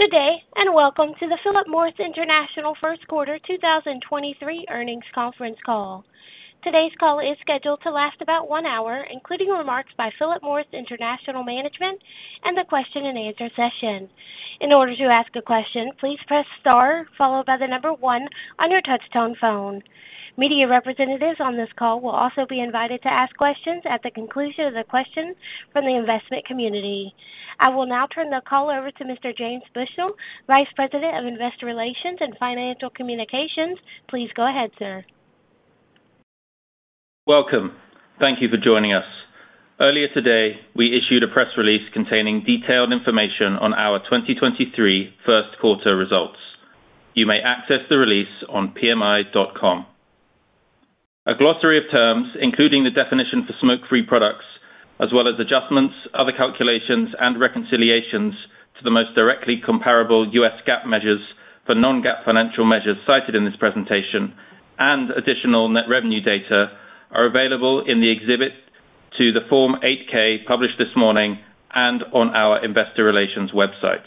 Good day, and welcome to the Philip Morris International first quarter 2023 earnings conference call. Today's call is scheduled to last about one hour, including remarks by Philip Morris International management and the question and answer session. In order to ask a question, please press star followed by the number one on your touch-tone phone. Media representatives on this call will also be invited to ask questions at the conclusion of the questions from the investment community. I will now turn the call over to Mr. James Bushnell, Vice President of Investor Relations and Financial Communications. Please go ahead, sir. Welcome. Thank you for joining us. Earlier today, we issued a press release containing detailed information on our 2023 first quarter results. You may access the release on pmi.com. A glossary of terms, including the definition for smoke-free products, as well as adjustments, other calculations, and reconciliations to the most directly comparable U.S. GAAP measures for non-GAAP financial measures cited in this presentation and additional net revenue data are available in the exhibit to the Form 8-K published this morning and on our Investor Relations website.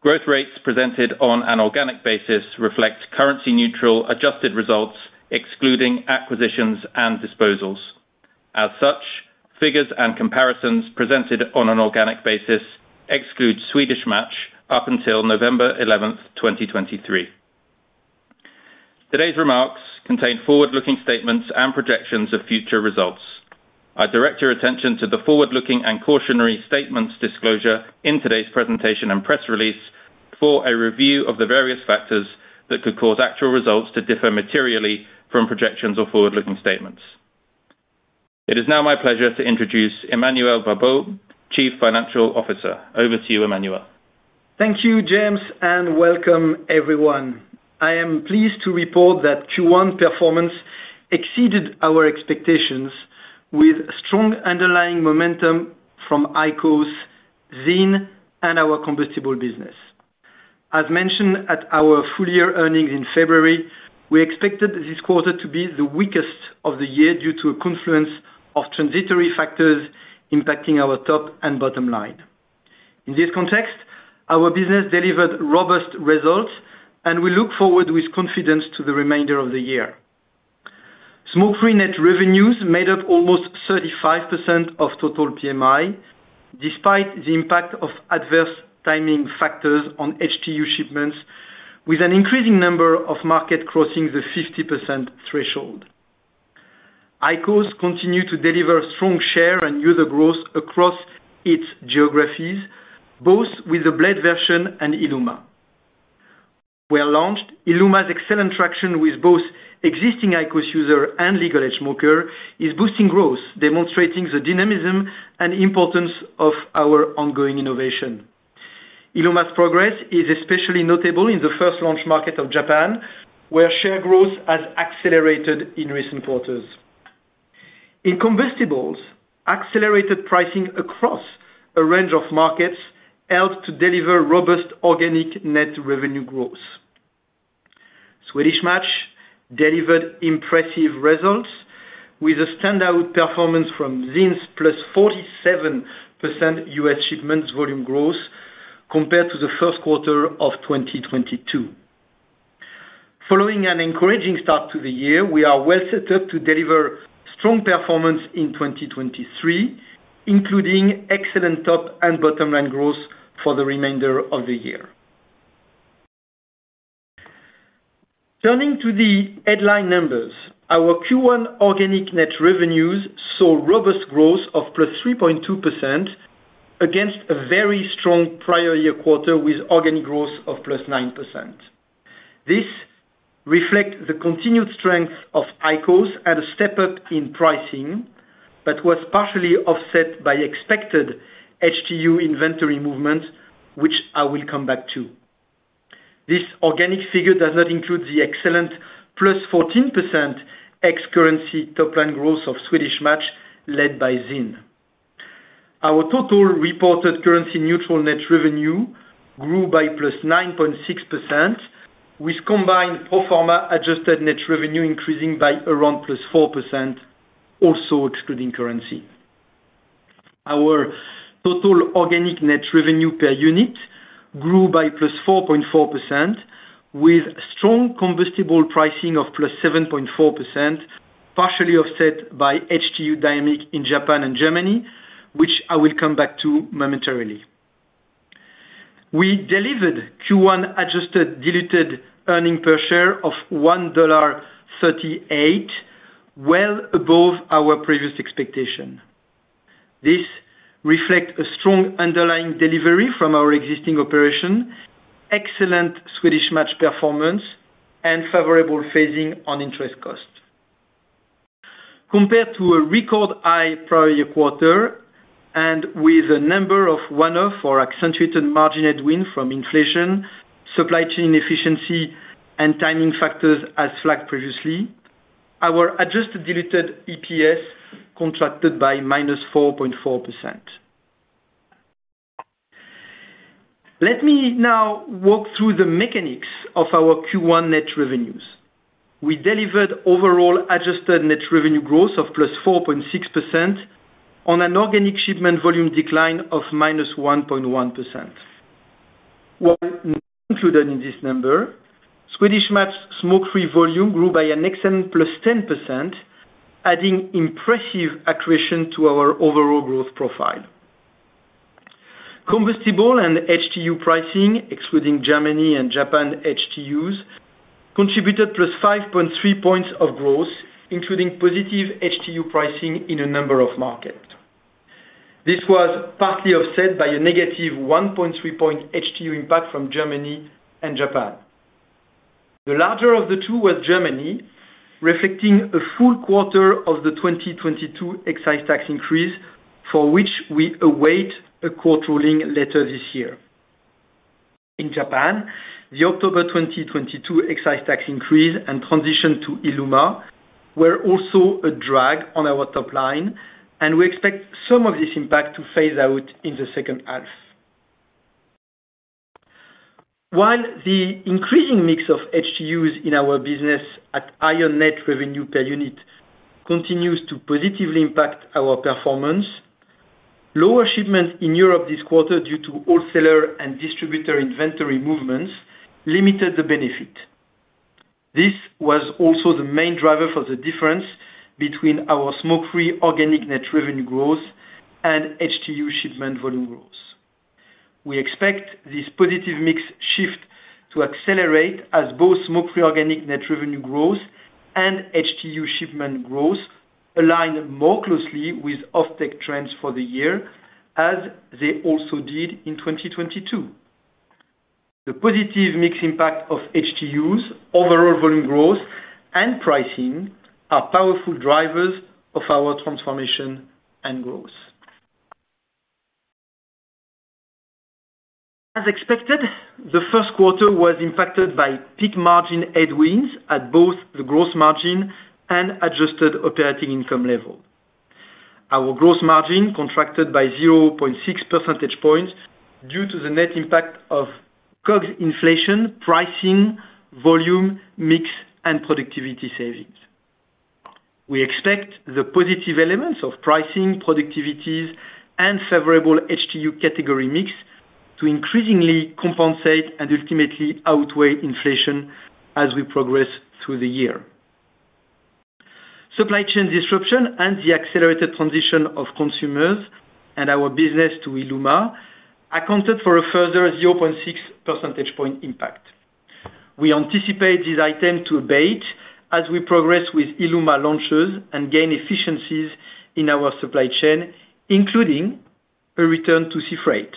Growth rates presented on an organic basis reflect currency neutral adjusted results, excluding acquisitions and disposals. As such, figures and comparisons presented on an organic basis exclude Swedish Match up until November 11th, 2023. Today's remarks contain forward-looking statements and projections of future results. I direct your attention to the forward-looking and cautionary statements disclosure in today's presentation and press release for a review of the various factors that could cause actual results to differ materially from projections or forward-looking statements. It is now my pleasure to introduce Emmanuel Babeau, Chief Financial Officer. Over to you, Emmanuel. Thank you, James, and welcome everyone. I am pleased to report that Q1 performance exceeded our expectations with strong underlying momentum from IQOS, ZYN, and our combustible business. As mentioned at our full-year earnings in February, we expected this quarter to be the weakest of the year due to a confluence of transitory factors impacting our top and bottom line. In this context, our business delivered robust results, and we look forward with confidence to the remainder of the year. Smoke-free net revenues made up almost 35% of total PMI, despite the impact of adverse timing factors on HTU shipments, with an increasing number of markets crossing the 50% threshold. IQOS continue to deliver strong share and user growth across its geographies, both with the blade version and ILUMA. Where launched, ILUMA's excellent traction with both existing IQOS user and legal age smoker is boosting growth, demonstrating the dynamism and importance of our ongoing innovation. ILUMA's progress is especially notable in the first launch market of Japan, where share growth has accelerated in recent quarters. In combustibles, accelerated pricing across a range of markets helped to deliver robust organic net revenue growth. Swedish Match delivered impressive results with a standout performance from ZYN's +47% U.S. shipments volume growth compared to the first quarter of 2022. Following an encouraging start to the year, we are well set up to deliver strong performance in 2023, including excellent top and bottom line growth for the remainder of the year. Turning to the headline numbers. Our Q1 organic net revenues saw robust growth of +3.2% against a very strong prior year quarter with organic growth of +9%. This reflect the continued strength of IQOS at a step-up in pricing, but was partially offset by expected HTU inventory movement, which I will come back to. This organic figure does not include the excellent +14% ex-currency top line growth of Swedish Match led by ZYN. Our total reported currency neutral net revenue grew by +9.6%, with combined pro forma adjusted net revenue increasing by around +4%, also excluding currency. Our total organic net revenue per unit grew by +4.4%, with strong combustible pricing of +7.4%, partially offset by HTU dynamic in Japan and Germany, which I will come back to momentarily. We delivered Q1 adjusted diluted earnings per share of $1.38, well above our previous expectation. This reflect a strong underlying delivery from our existing operation, excellent Swedish Match performance, and favorable phasing on interest costs. Compared to a record high prior year quarter and with a number of one-off or accentuated margin headwind from inflation, supply chain efficiency, and timing factors as flagged previously, our adjusted diluted EPS contracted by -4.4%. Let me now walk through the mechanics of our Q1 net revenues. We delivered overall adjusted net revenue growth of +4.6% on an organic shipment volume decline of -1.1%. While included in this number, Swedish Match smoke-free volume grew by an extent +10%, adding impressive accretion to our overall growth profile. Combustible and HTU pricing, excluding Germany and Japan HTUs, contributed +5.3 points of growth, including positive HTU pricing in a number of markets. This was partly offset by a -1.3-point HTU impact from Germany and Japan. The larger of the two was Germany, reflecting a full quarter of the 2022 excise tax increase, for which we await a court ruling later this year. Japan, the October 2022 excise tax increase and transition to ILUMA were also a drag on our top line, and we expect some of this impact to phase out in the second half. The increasing mix of HTUs in our business at higher net revenue per unit continues to positively impact our performance, lower shipments in Europe this quarter due to wholesaler and distributor inventory movements limited the benefit. This was also the main driver for the difference between our smoke-free organic net revenue growth and HTU shipment volume growth. We expect this positive mix shift to accelerate as both smoke-free organic net revenue growth and HTU shipment growth align more closely with off-take trends for the year, as they also did in 2022. The positive mix impact of HTUs, overall volume growth, and pricing are powerful drivers of our transformation and growth. As expected, the first quarter was impacted by peak margin headwinds at both the gross margin and adjusted operating income level. Our gross margin contracted by 0.6 percentage points due to the net impact of COGS inflation, pricing, volume, mix, and productivity savings. We expect the positive elements of pricing, productivities, and favorable HTU category mix to increasingly compensate and ultimately outweigh inflation as we progress through the year. Supply chain disruption and the accelerated transition of consumers and our business to ILUMA accounted for a further 0.6 percentage point impact. We anticipate this item to abate as we progress with ILUMA launches and gain efficiencies in our supply chain, including a return to sea freight.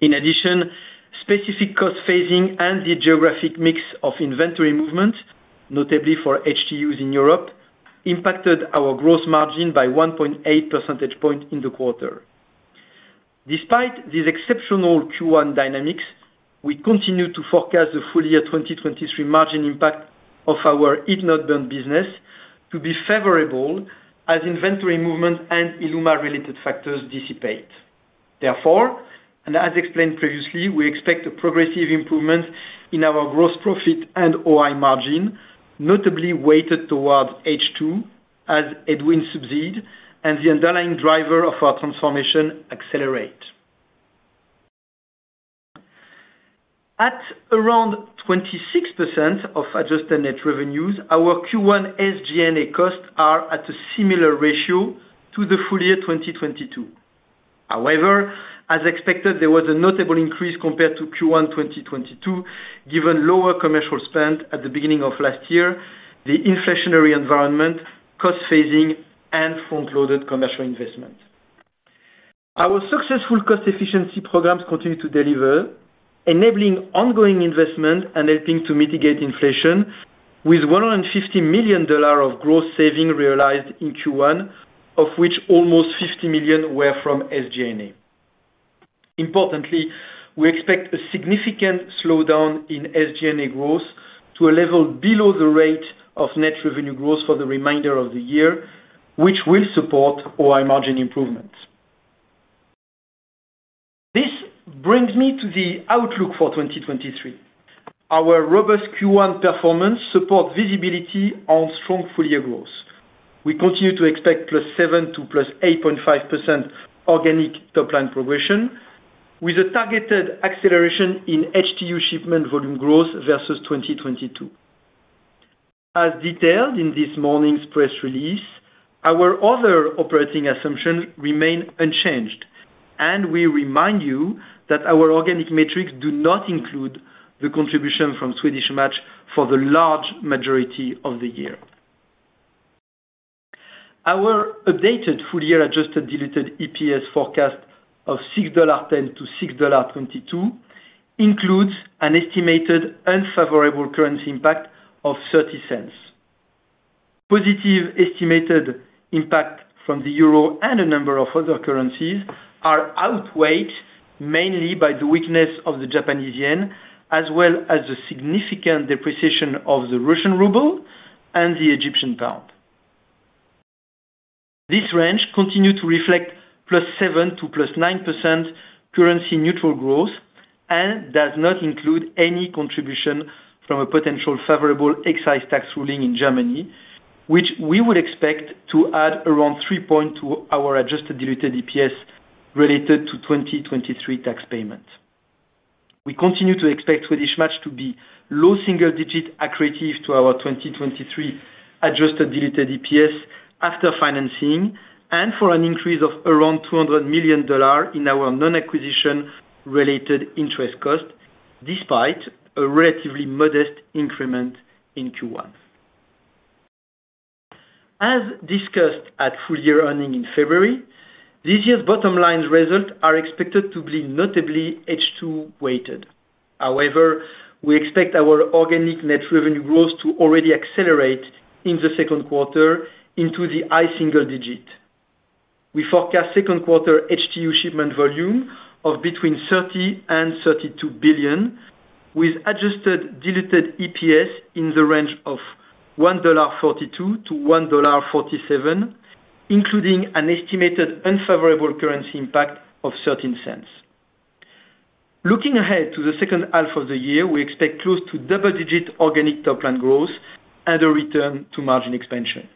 In addition, specific cost phasing and the geographic mix of inventory movement, notably for HTUs in Europe, impacted our gross margin by 1.8 percentage point in the quarter. Despite these exceptional Q1 dynamics, we continue to forecast the full year 2023 margin impact of our heat-not-burn business to be favorable as inventory movement and ILUMA-related factors dissipate. As explained previously, we expect a progressive improvement in our gross profit and OI margin, notably weighted towards H2 as headwinds subside and the underlying driver of our transformation accelerate. At around 26% of adjusted net revenues, our Q1 SG&A costs are at a similar ratio to the full year 2022. However, as expected, there was a notable increase compared to Q1 2022, given lower commercial spend at the beginning of last year, the inflationary environment, cost phasing, and front-loaded commercial investment. Our successful cost efficiency programs continue to deliver, enabling ongoing investment and helping to mitigate inflation with $150 million of gross saving realized in Q1, of which almost $50 million were from SG&A. Importantly, we expect a significant slowdown in SG&A growth to a level below the rate of net revenue growth for the remainder of the year, which will support OI margin improvements. This brings me to the outlook for 2023. Our robust Q1 performance support visibility on strong full year growth. We continue to expect +7% to +8.5% organic top-line progression, with a targeted acceleration in HTU shipment volume growth versus 2022. As detailed in this morning's press release, our other operating assumptions remain unchanged, and we remind you that our organic metrics do not include the contribution from Swedish Match for the large majority of the year. Our updated full year adjusted diluted EPS forecast of $6.10-$6.22 includes an estimated unfavorable currency impact of $0.30. Positive estimated impact from the euro and a number of other currencies are outweighed mainly by the weakness of the Japanese yen, as well as the significant depreciation of the Russian ruble and the Egyptian pound. This range continue to reflect +7% to +9% currency neutral growth and does not include any contribution from a potential favorable excise tax ruling in Germany, which we would expect to add around 3 point to our adjusted diluted EPS related to 2023 tax payments. We continue to expect Swedish Match to be low single digit accretive to our 2023 adjusted diluted EPS after financing and for an increase of around $200 million in our non-acquisition related interest cost, despite a relatively modest increment in Q1. As discussed at full year earnings in February, this year's bottom line results are expected to be notably H2 weighted. However, we expect our organic net revenue growth to already accelerate in the second quarter into the high single digit. We forecast second quarter HTU shipment volume of between $30 billion and $32 billion, with adjusted diluted EPS in the range of $1.42-$1.47, including an estimated unfavorable currency impact of $0.13. Looking ahead to the second half of the year, we expect close to double-digit organic top line growth and a return to margin expansion.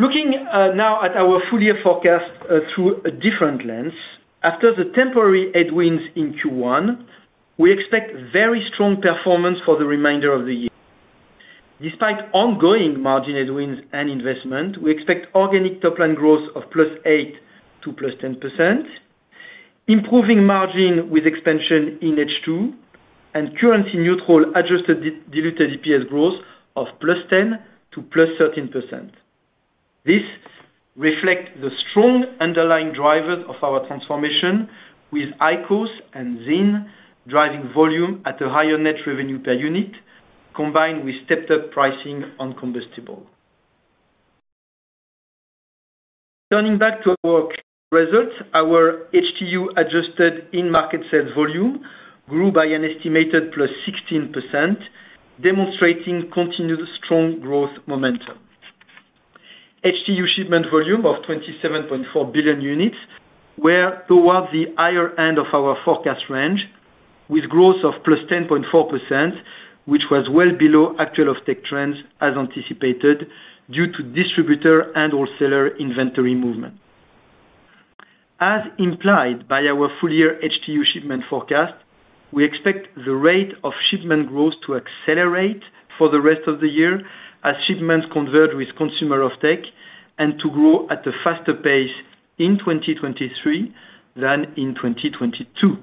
Looking now at our full year forecast through a different lens, after the temporary headwinds in Q1, we expect very strong performance for the remainder of the year. Despite ongoing margin headwinds and investment, we expect organic top line growth of +8% to +10%, improving margin with expansion in H2, and currency neutral adjusted diluted EPS growth of +10% to +13%. This reflect the strong underlying drivers of our transformation with IQOS and ZYN driving volume at a higher net revenue per unit, combined with stepped up pricing on combustible. Turning back to our results, our HTU adjusted in-market sales volume grew by an estimated +16%, demonstrating continued strong growth momentum. HTU shipment volume of 27.4 billion units were towards the higher end of our forecast range with growth of +10.4%, which was well below actual off-take trends as anticipated due to distributor and wholesaler inventory movement. As implied by our full year HTU shipment forecast, we expect the rate of shipment growth to accelerate for the rest of the year as shipments convert with consumer off-take and to grow at a faster pace in 2023 than in 2022.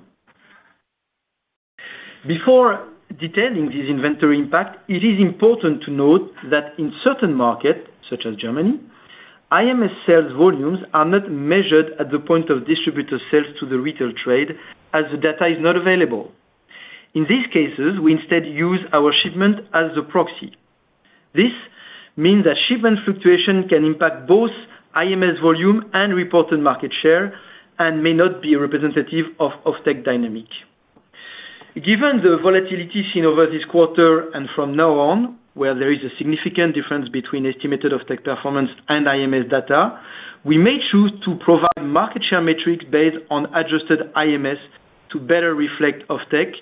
Before detailing this inventory impact, it is important to note that in certain markets, such as Germany, IMS sales volumes are not measured at the point of distributor sales to the retail trade as the data is not available. In these cases, we instead use our shipment as the proxy. This means that shipment fluctuation can impact both IMS volume and reported market share and may not be representative of off-take dynamic. Given the volatility seen over this quarter and from now on, where there is a significant difference between estimated off-take performance and IMS data, we may choose to provide market share metrics based on adjusted IMS to better reflect off-take,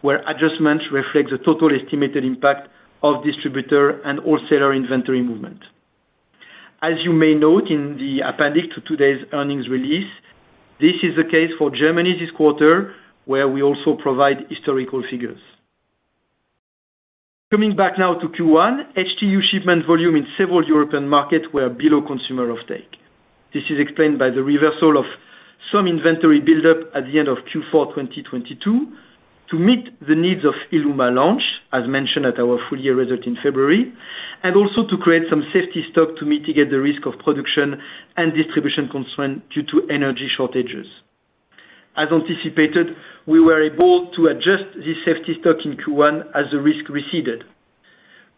where adjustments reflect the total estimated impact of distributor and wholesaler inventory movement. As you may note in the appendix to today's earnings release, this is the case for Germany this quarter, where we also provide historical figures. Coming back now to Q1, HTU shipment volume in several European markets were below consumer off-take. This is explained by the reversal of some inventory buildup at the end of Q4, 2022 to meet the needs of ILUMA launch, as mentioned at our full year result in February, and also to create some safety stock to mitigate the risk of production and distribution constraint due to energy shortages. As anticipated, we were able to adjust this safety stock in Q1 as the risk receded.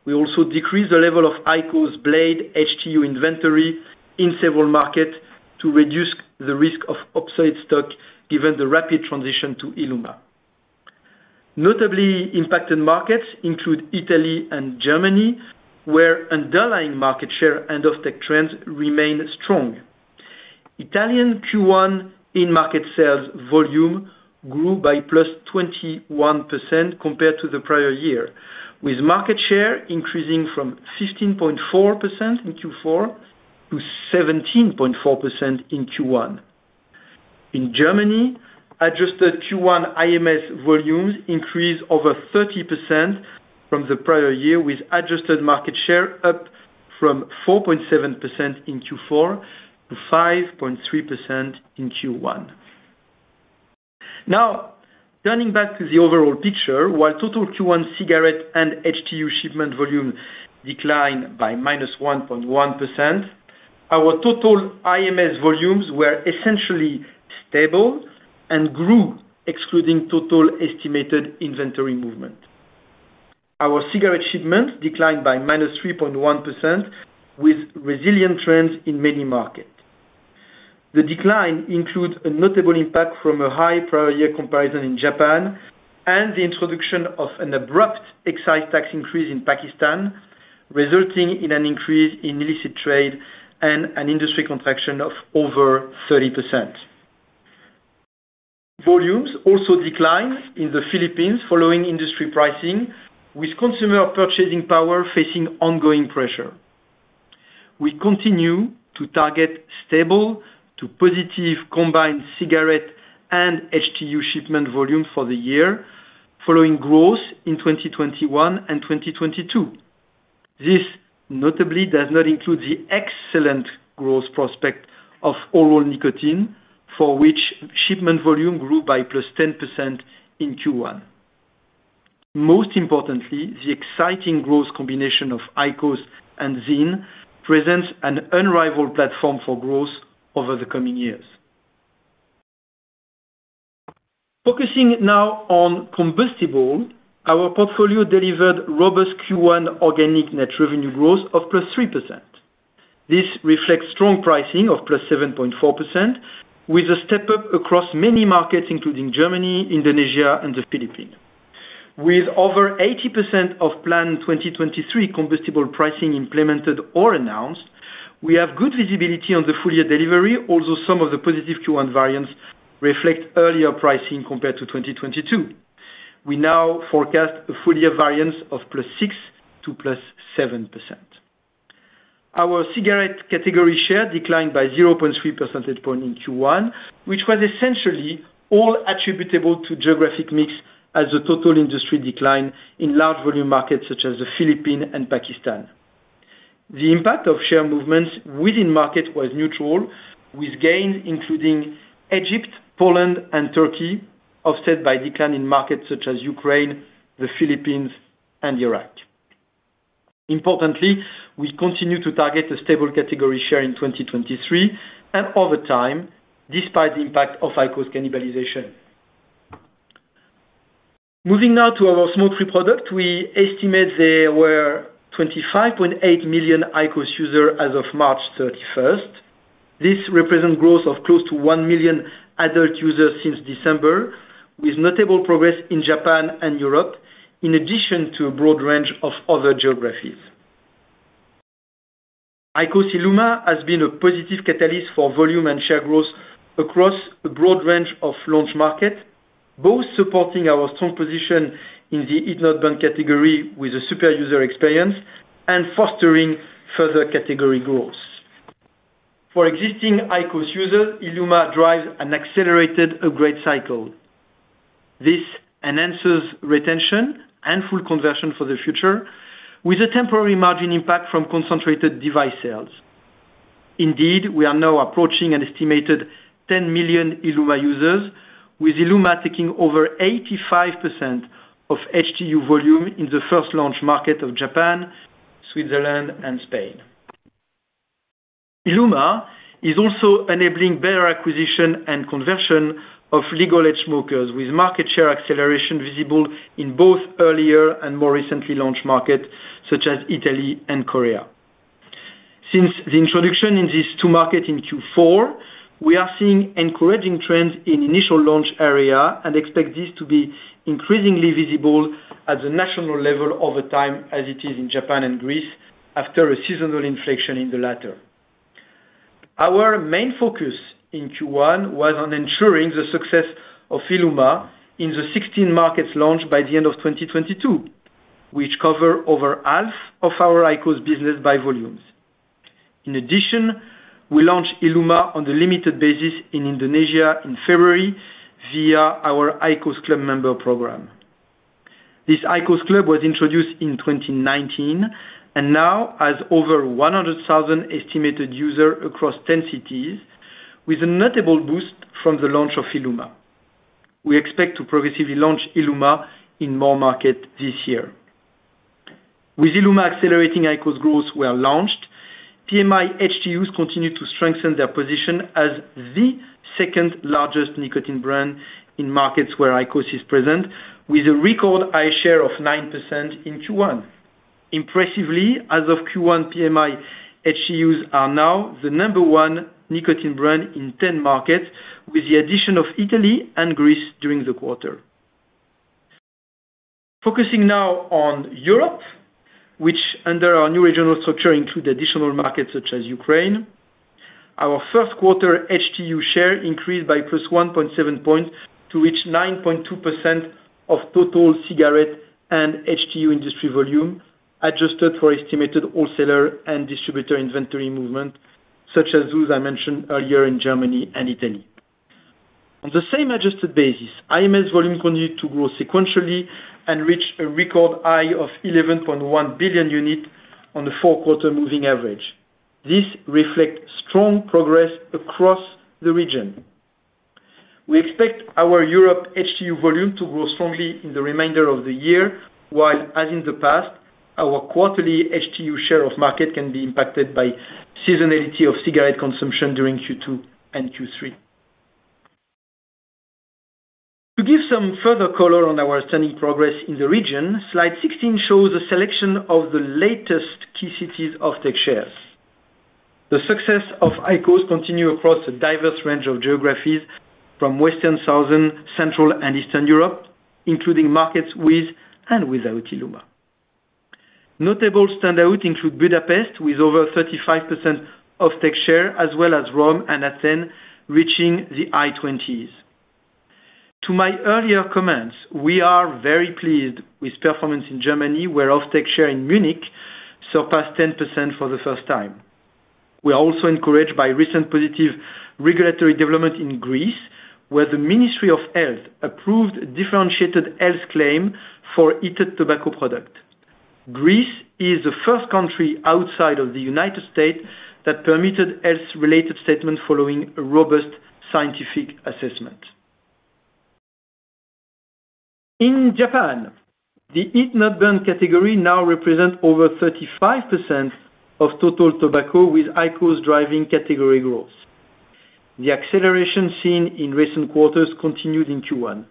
We also decreased the level of IQOS blade HTU inventory in several markets to reduce the risk of obsolete stock given the rapid transition to ILUMA. Notably impacted markets include Italy and Germany, where underlying market share and off-take trends remain strong. Italian Q1 in-market sales volume grew by +21% compared to the prior year, with market share increasing from 15.4% in Q4 to 17.4% in Q1. In Germany, adjusted Q1 IMS volumes increased over 30% from the prior year, with adjusted market share up from 4.7% in Q4 to 5.3% in Q1. Turning back to the overall picture, while total Q1 cigarette and HTU shipment volume declined by -1.1%, our total IMS volumes were essentially stable and grew excluding total estimated inventory movement. Our cigarette shipments declined by -3.1% with resilient trends in many markets. The decline includes a notable impact from a high prior year comparison in Japan and the introduction of an abrupt excise tax increase in Pakistan, resulting in an increase in illicit trade and an industry contraction of over 30%. Volumes also declined in the Philippines following industry pricing, with consumer purchasing power facing ongoing pressure. We continue to target stable to positive combined cigarette and HTU shipment volume for the year, following growth in 2021 and 2022. This notably does not include the excellent growth prospect of oral nicotine, for which shipment volume grew by +10% in Q1. Most importantly, the exciting growth combination of IQOS and ZYN presents an unrivaled platform for growth over the coming years. Focusing now on combustible, our portfolio delivered robust Q1 organic net revenue growth of +3%. This reflects strong pricing of +7.4%, with a step-up across many markets, including Germany, Indonesia, and the Philippines. With over 80% of planned 2023 combustible pricing implemented or announced, we have good visibility on the full year delivery. Although some of the positive Q1 variance reflect earlier pricing compared to 2022. We now forecast a full year variance of +6% to +7%. Our cigarette category share declined by 0.3 percentage point in Q1, which was essentially all attributable to geographic mix as a total industry decline in large volume markets such as the Philippines and Pakistan. The impact of share movements within market was neutral, with gains including Egypt, Poland, and Turkey, offset by decline in markets such as Ukraine, the Philippines, and Iraq. Importantly, we continue to target a stable category share in 2023 and over time, despite the impact of IQOS cannibalization. Moving now to our smoke-free product. We estimate there were 25.8 million IQOS user as of March 31st. This represents growth of close to one million adult users since December, with notable progress in Japan and Europe, in addition to a broad range of other geographies. IQOS ILUMA has been a positive catalyst for volume and share growth across a broad range of launch markets, both supporting our strong position in the heat-not-burn category with a superior user experience and fostering further category growth. For existing IQOS users, ILUMA drives an accelerated upgrade cycle. This enhances retention and full conversion for the future, with a temporary margin impact from concentrated device sales. Indeed, we are now approaching an estimated 10 million ILUMA users, with ILUMA taking over 85% of HTU volume in the first launch market of Japan, Switzerland, and Spain. ILUMA is also enabling better acquisition and conversion of legal smokers, with market share acceleration visible in both earlier and more recently launched markets such as Italy and Korea. Since the introduction in these two markets in Q4, we are seeing encouraging trends in initial launch area and expect this to be increasingly visible at the national level over time, as it is in Japan and Greece after a seasonal inflection in the latter. Our main focus in Q1 was on ensuring the success of ILUMA in the 16 markets launched by the end of 2022, which cover over half of our IQOS business by volumes. In addition, we launched ILUMA on a limited basis in Indonesia in February via our IQOS CLUB member program. This IQOS CLUB was introduced in 2019 and now has over 100,000 estimated user across 10 cities, with a notable boost from the launch of ILUMA. We expect to progressively launch ILUMA in more markets this year. With ILUMA accelerating IQOS growth where launched, PMI HTUs continue to strengthen their position as the second-largest nicotine brand in markets where IQOS is present, with a record high share of 9% in Q1. Impressively, as of Q1, PMI HTUs are now the number one nicotine brand in 10 markets, with the addition of Italy and Greece during the quarter. Focusing now on Europe, which under our new regional structure include additional markets such as Ukraine. Our first quarter HTU share increased by +1.7 points to reach 9.2% of total cigarette and HTU industry volume, adjusted for estimated wholesaler and distributor inventory movement, such as those I mentioned earlier in Germany and Italy. On the same adjusted basis, IMS volume continued to grow sequentially and reach a record high of 11.1 billion unit on the four-quarter moving average. This reflects strong progress across the region. We expect our Europe HTU volume to grow strongly in the remainder of the year, while as in the past, our quarterly HTU share of market can be impacted by seasonality of cigarette consumption during Q2 and Q3. To give some further color on our standing progress in the region, Slide 16 shows a selection of the latest key cities off-take shares. The success of IQOS continue across a diverse range of geographies from Western, Southern, Central and Eastern Europe, including markets with and without ILUMA. Notable standout include Budapest, with over 35% off-take share, as well as Rome and Athens, reaching the high 20s. To my earlier comments, we are very pleased with performance in Germany, where off-take share in Munich surpassed 10% for the first time. We are also encouraged by recent positive regulatory development in Greece, where the Ministry of Health approved a differentiated health claim for heated tobacco product. Greece is the first country outside of the United States that permitted health-related statement following a robust scientific assessment. In Japan, the heat-not-burn category now represents over 35% of total tobacco, with IQOS driving category growth. The acceleration seen in recent quarters continued in Q1.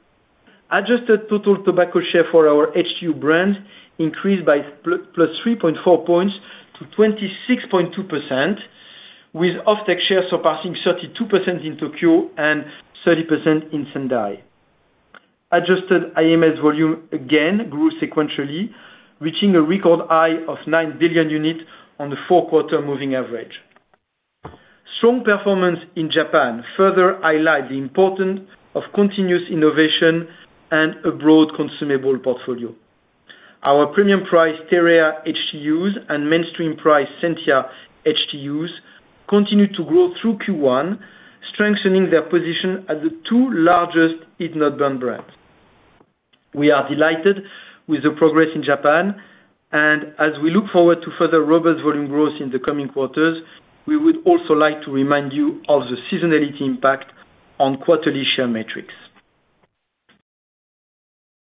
Adjusted total tobacco share for our HTU brand increased by +3.4 points to 26.2%, with off-take share surpassing 32% in Tokyo and 30% in Sendai. Adjusted IMS volume again grew sequentially, reaching a record high of nine billion units on the four-quarter moving average. Strong performance in Japan further highlight the importance of continuous innovation and a broad consumable portfolio. Our premium priced TEREA HTUs and mainstream priced SENTIA HTUs continue to grow through Q1, strengthening their position as the two largest heat-not-burn brands. We are delighted with the progress in Japan and as we look forward to further robust volume growth in the coming quarters, we would also like to remind you of the seasonality impact on quarterly share metrics.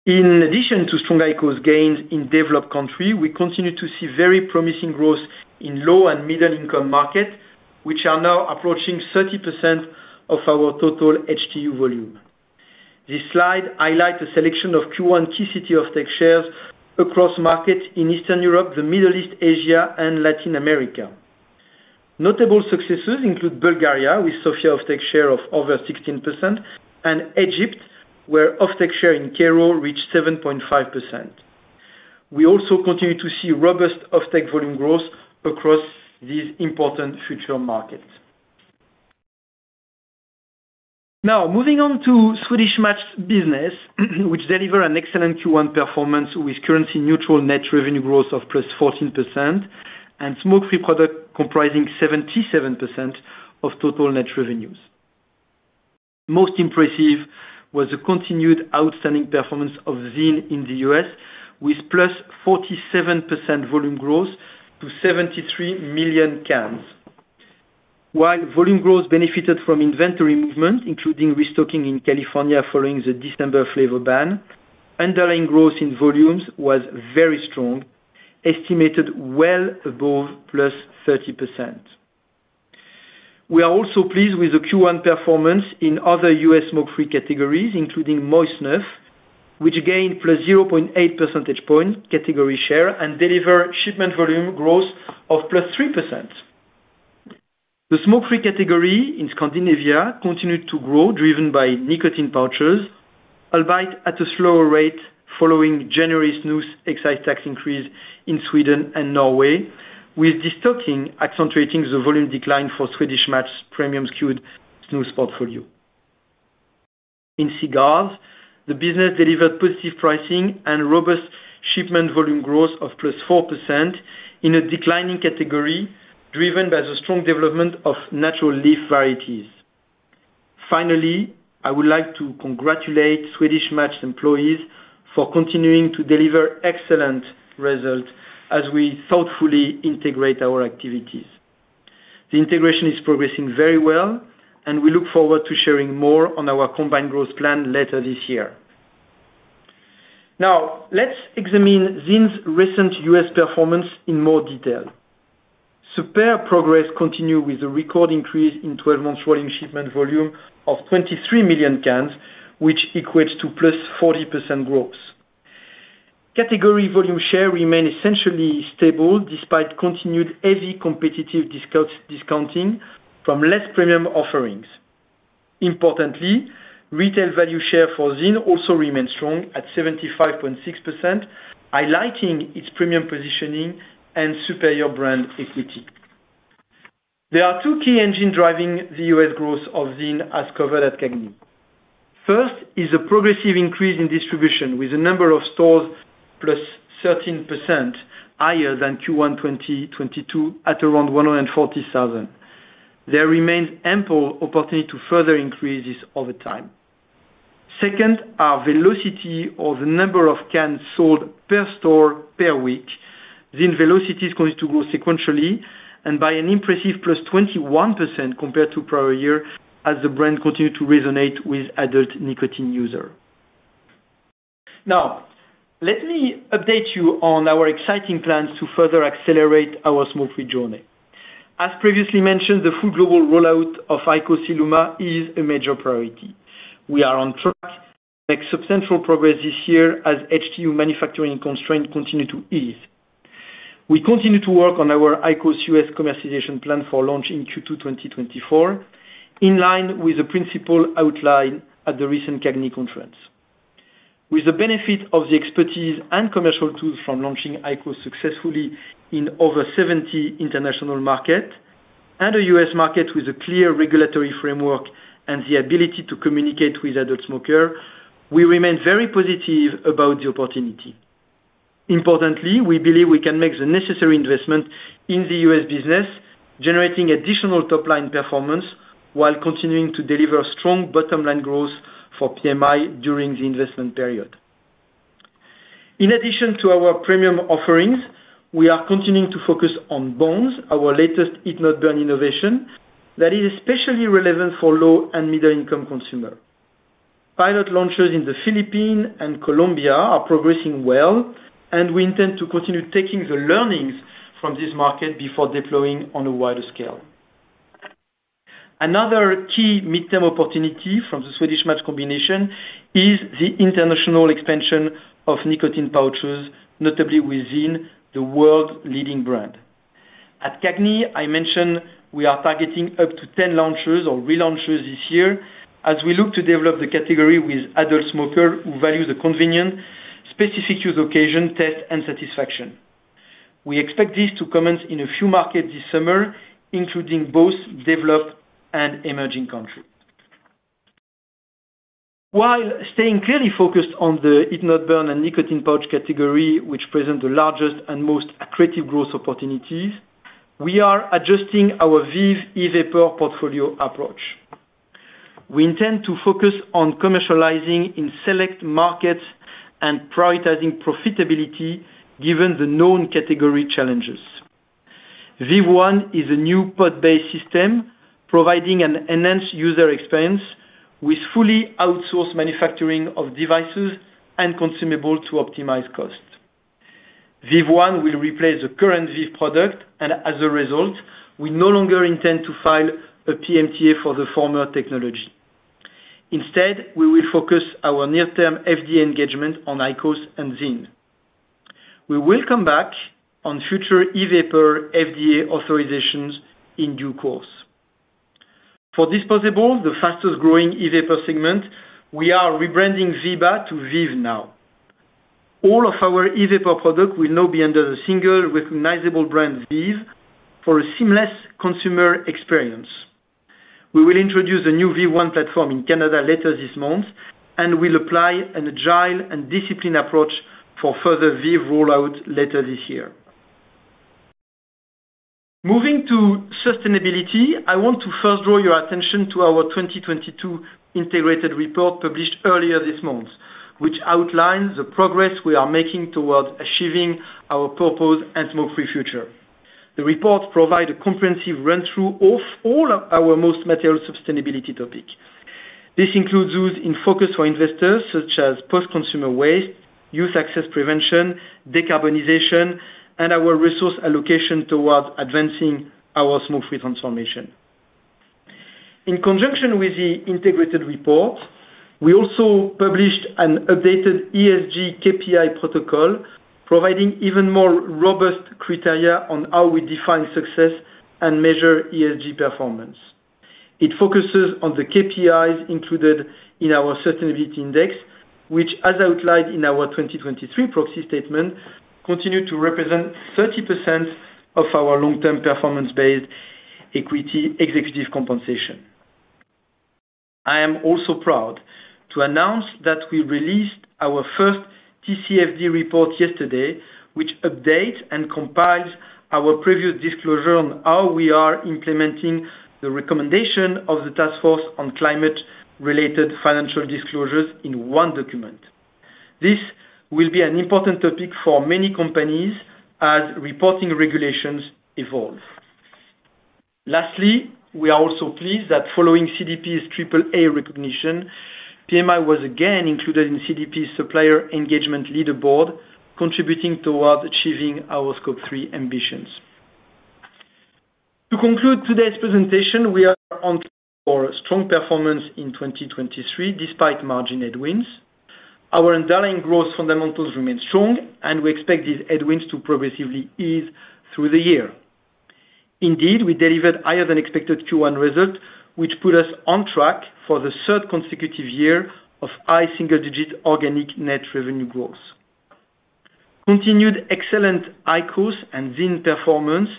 In addition to strong IQOS gains in developed country, we continue to see very promising growth in low and middle income markets, which are now approaching 30% of our total HTU volume. This slide highlights a selection of Q1 key city off-take shares across markets in Eastern Europe, the Middle East, Asia and Latin America. Notable successes include Bulgaria, with Sofia off-take share of over 16%, and Egypt, where off-take share in Cairo reached 7.5%. We also continue to see robust off-take volume growth across these important future markets. Moving on to Swedish Match business, which deliver an excellent Q1 performance with currency neutral net revenue growth of +14% and smoke-free product comprising 77% of total net revenues. Most impressive was the continued outstanding performance of ZYN in the U.S., with +47% volume growth to 73 million cans. While volume growth benefited from inventory movement, including restocking in California following the December flavor ban, underlying growth in volumes was very strong, estimated well above +30%. We are also pleased with the Q1 performance in other U.S. smoke-free categories, including moist snuff, which gained +0.8 percentage point category share and deliver shipment volume growth of +3%. The smoke-free category in Scandinavia continued to grow, driven by nicotine pouches, albeit at a slower rate following January's snus excise tax increase in Sweden and Norway, with destocking accentuating the volume decline for Swedish Match's premium skewed snus portfolio. In cigars, the business delivered positive pricing and robust shipment volume growth of +4% in a declining category driven by the strong development of natural leaf varieties. Finally, I would like to congratulate Swedish Match employees for continuing to deliver excellent results as we thoughtfully integrate our activities. The integration is progressing very well, and we look forward to sharing more on our combined growth plan later this year. Now, let's examine ZYN's recent U.S. performance in more detail. Superior progress continue with a record increase in 12-month rolling shipment volume of 23 million cans, which equates to +40% growth. Category volume share remained essentially stable despite continued heavy competitive discounting from less premium offerings. Importantly, retail value share for ZYN also remained strong at 75.6%, highlighting its premium positioning and superior brand equity. There are two key engine driving the U.S. growth of ZYN as covered at CAGNY. First is a progressive increase in distribution with a number of stores +13% higher than Q1 2022 at around 140,000. There remains ample opportunity to further increase this over time. Second, our velocity or the number of cans sold per store per week. ZYN velocity is going to grow sequentially and by an impressive +21% compared to prior year as the brand continued to resonate with adult nicotine user. Let me update you on our exciting plans to further accelerate our smoke-free journey. As previously mentioned, the full global rollout of IQOS ILUMA is a major priority. We are on track to make substantial progress this year as HTU manufacturing constraints continue to ease. We continue to work on our IQOS U.S. commercialization plan for launch in Q2 2024, in line with the principle outlined at the recent CAGNY conference. With the benefit of the expertise and commercial tools from launching IQOS successfully in over 70 international market and a U.S. market with a clear regulatory framework and the ability to communicate with adult smoker, we remain very positive about the opportunity. Importantly, we believe we can make the necessary investment in the U.S. business, generating additional top-line performance while continuing to deliver strong bottom-line growth for PMI during the investment period. In addition to our premium offerings, we are continuing to focus on BONDS, our latest heat-not-burn innovation that is especially relevant for low and middle-income consumer. Pilot launches in the Philippines and Colombia are progressing well, and we intend to continue taking the learnings from this market before deploying on a wider scale. Another key midterm opportunity from the Swedish Match combination is the international expansion of nicotine pouches, notably within the world-leading brand. At CAGNY, I mentioned we are targeting up to 10 launches or relaunches this year as we look to develop the category with adult smoker who value the convenient, specific use occasion, taste, and satisfaction. We expect this to commence in a few markets this summer, including both developed and emerging countries. While staying clearly focused on the heat-not-burn and nicotine pouch category, which present the largest and most accretive growth opportunities, we are adjusting our VEEV e-vapor portfolio approach. We intend to focus on commercializing in select markets and prioritizing profitability given the known category challenges. VEEV ONE is a new pod-based system providing an enhanced user experience with fully outsourced manufacturing of devices and consumable to optimize costs. VEEV ONE will replace the current VEEV product, and as a result, we no longer intend to file a PMTA for the former technology. Instead, we will focus our near-term FDA engagement on IQOS and VEEV. We will come back on future e-vapor FDA authorizations in due course. For disposables, the fastest-growing e-vapor segment, we are rebranding VEEBA to VEEV NOW. All of our e-vapor product will now be under the single recognizable brand, VEEV, for a seamless consumer experience. We will introduce a new VEEV ONE platform in Canada later this month and will apply an agile and disciplined approach for further VEEV rollout later this year. Moving to sustainability, I want to first draw your attention to our 2022 Integrated Report published earlier this month, which outlines the progress we are making towards achieving our proposed and smoke-free future. The report provide a comprehensive run-through of all of our most material sustainability topic. This includes those in focus for investors such as post-consumer waste, youth access prevention, decarbonization, and our resource allocation towards advancing our smoke-free transformation. In conjunction with the Integrated Report, we also published an updated ESG KPI protocol, providing even more robust criteria on how we define success and measure ESG performance. It focuses on the KPIs included in our sustainability index, which as outlined in our 2023 proxy statement, continue to represent 30% of our long-term performance-based equity executive compensation. I am also proud to announce that we released our first TCFD Report yesterday, which updates and compiles our previous disclosure on how we are implementing the recommendation of the task force on climate-related financial disclosures in one document. This will be an important topic for many companies as reporting regulations evolve. Lastly, we are also pleased that following CDP's AAA recognition, PMI was again included in CDP's Supplier Engagement Leaderboard, contributing towards achieving our Scope 3 ambitions. To conclude today's presentation, we are on for a strong performance in 2023 despite margin headwinds. Our underlying growth fundamentals remain strong, and we expect these headwinds to progressively ease through the year. Indeed, we delivered higher than expected Q1 results, which put us on track for the third consecutive year of high single-digit organic net revenue growth. Continued excellent IQOS and ZYN performance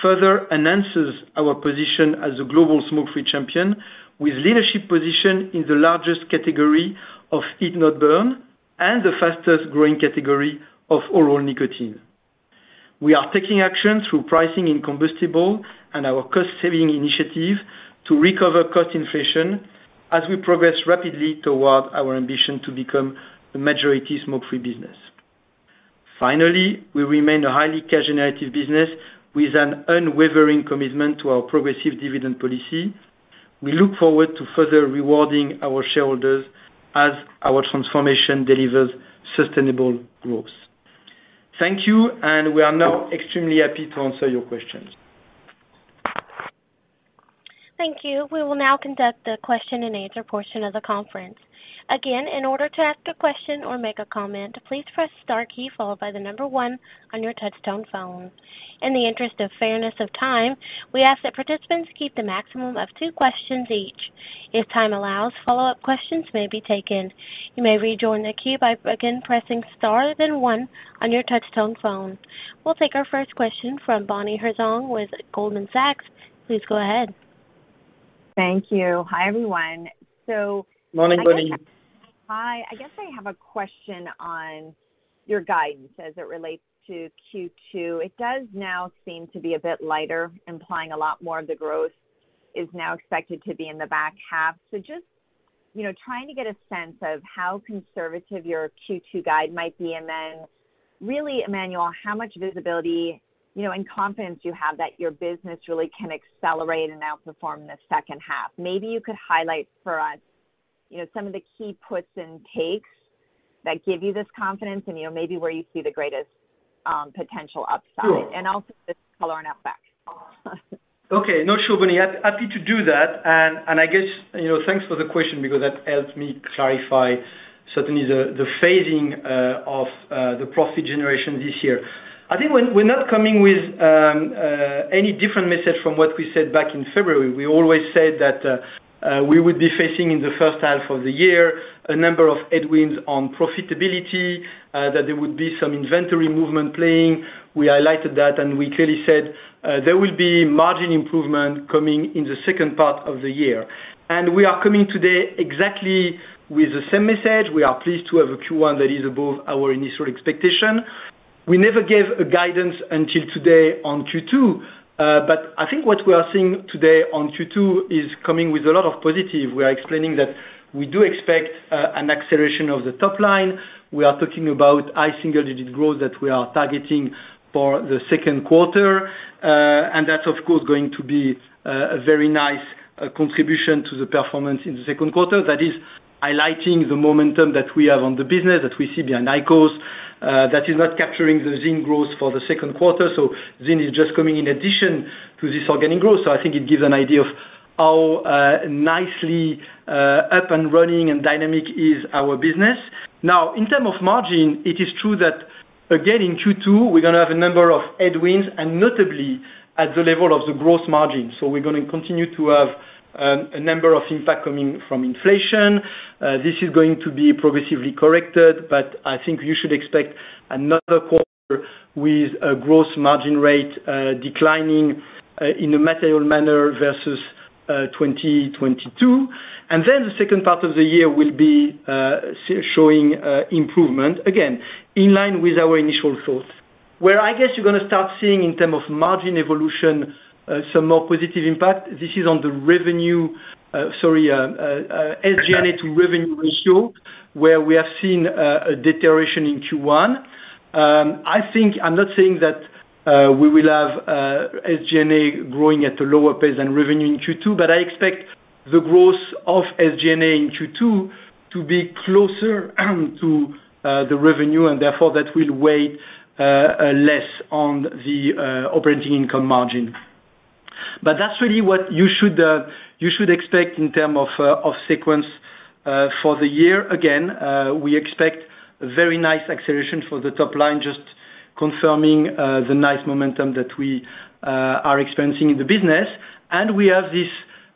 further enhances our position as a global smoke-free champion with leadership position in the largest category of heat-not-burn and the fastest-growing category of oral nicotine. We are taking action through pricing in combustible and our cost-saving initiative to recover cost inflation as we progress rapidly toward our ambition to become a majority smoke-free business. Finally, we remain a highly cash generative business with an unwavering commitment to our progressive dividend policy. We look forward to further rewarding our shareholders as our transformation delivers sustainable growth. Thank you, and we are now extremely happy to answer your questions. Thank you. We will now conduct the question and answer portion of the conference. Again, in order to ask a question or make a comment, please press star key followed by the number one on your touchtone phone. In the interest of fairness of time, we ask that participants keep the maximum of two questions each. If time allows, follow-up questions may be taken. You may rejoin the queue by again pressing star then one on your touchtone phone. We'll take our first question from Bonnie Herzog with Goldman Sachs. Please go ahead. Thank you. Hi, everyone. Morning, Bonnie. I guess, hi. I guess I have a question on your guidance as it relates to Q2. It does now seem to be a bit lighter, implying a lot more of the growth is now expected to be in the back half. Just, you know, trying to get a sense of how conservative your Q2 guide might be, and then really, Emmanuel, how much visibility, you know, and confidence you have that your business really can accelerate and outperform the second half? Maybe you could highlight for us, you know, some of the key puts and takes that give you this confidence, and you know, maybe where you see the greatest potential upside? Sure. Also just color on outlook. Okay. No, sure, Bonnie. Happy to do that. I guess, you know, thanks for the question because that helps me clarify certainly the phasing of the profit generation this year. I think when we're not coming with any different message from what we said back in February. We always said that we would be facing in the first half of the year a number of headwinds on profitability, that there would be some inventory movement playing. We highlighted that. We clearly said there will be margin improvement coming in the second part of the year. We are coming today exactly with the same message. We are pleased to have a Q1 that is above our initial expectation. We never gave a guidance until today on Q2. I think what we are seeing today on Q2 is coming with a lot of positive. We are explaining that we do expect an acceleration of the top line. We are talking about high single-digit growth that we are targeting for the second quarter. And that's of course going to be a very nice contribution to the performance in the second quarter that is highlighting the momentum that we have on the business, that we see behind IQOS, that is not capturing the ZYN growth for the second quarter. ZYN is just coming in addition to this organic growth. I think it gives an idea of how nicely up and running and dynamic is our business. In term of margin, it is true that again, in Q2, we're gonna have a number of headwinds and notably at the level of the gross margin. We're gonna continue to have a number of impact coming from inflation. This is going to be progressively corrected, but I think you should expect another quarter with a gross margin rate declining in a material manner versus 2022. Then the second part of the year will be showing improvement, again, in line with our initial thoughts. Where I guess you're gonna start seeing in term of margin evolution, some more positive impact, this is on the revenue, sorry, SG&A to revenue ratio, where we have seen a deterioration in Q1. I think I'm not saying that we will have SG&A growing at a lower pace than revenue in Q2, but I expect the growth of SG&A in Q2 to be closer to the revenue and therefore that will weigh less on the operating income margin. That's really what you should expect in term of sequence for the year. Again, we expect a very nice acceleration for the top line, just confirming the nice momentum that we are experiencing in the business. We have this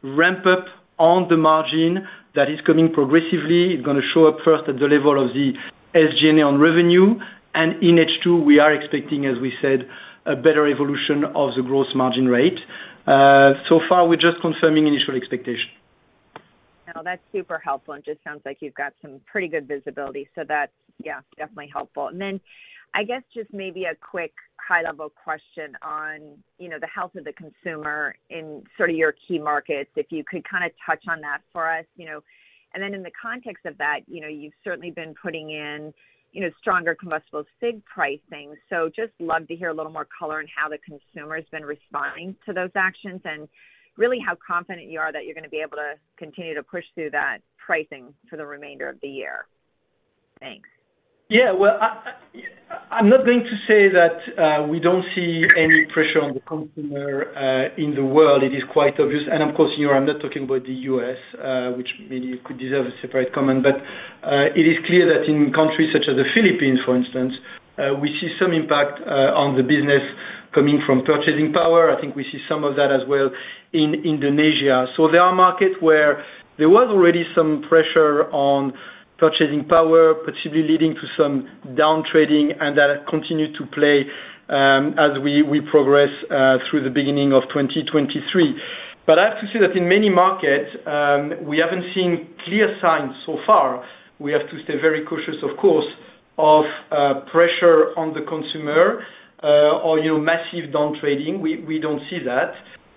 ramp-up on the margin that is coming progressively. It's gonna show up first at the level of the SG&A on revenue. In H2, we are expecting, as we said, a better evolution of the growth margin rate. So far we're just confirming initial expectation. No, that's super helpful. Just sounds like you've got some pretty good visibility. That's, yeah, definitely helpful. I guess just maybe a quick high-level question on, you know, the health of the consumer in sort of your key markets, if you could kind of touch on that for us, you know. In the context of that, you know, you've certainly been putting in, you know, stronger combustible cig pricing. Just love to hear a little more color on how the consumer's been responding to those actions and really how confident you are that you're going to be able to continue to push through that pricing for the remainder of the year. Thanks. Yeah. Well, I'm not going to say that we don't see any pressure on the consumer in the world. It is quite obvious. Of course, you know, I'm not talking about the U.S., which maybe could deserve a separate comment. It is clear that in countries such as the Philippines, for instance, we see some impact on the business coming from purchasing power. I think we see some of that as well in Indonesia. There are markets where there was already some pressure on purchasing power, potentially leading to some down trading, and that continue to play as we progress through the beginning of 2023. I have to say that in many markets, we haven't seen clear signs so far. We have to stay very cautious of course, of pressure on the consumer, or, you know, massive down trading. We don't see that.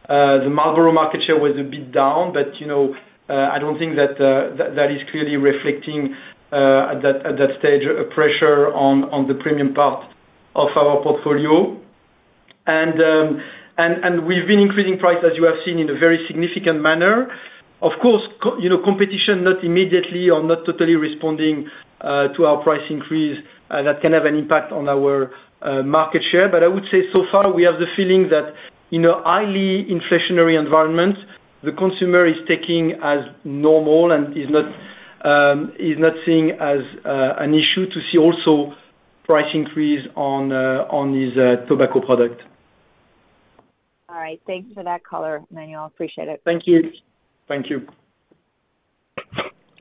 The Marlboro market share was a bit down, but, you know, I don't think that is clearly reflecting at that stage a pressure on the premium part of our portfolio. We've been increasing price, as you have seen, in a very significant manner. Of course, you know, competition not immediately or not totally responding to our price increase, that can have an impact on our market share. I would say so far we have the feeling that in a highly inflationary environment, the consumer is taking as normal and is not seeing an issue to see also price increase on his tobacco product. All right. Thanks for that color, Emmanuel. Appreciate it. Thank you. Thank you.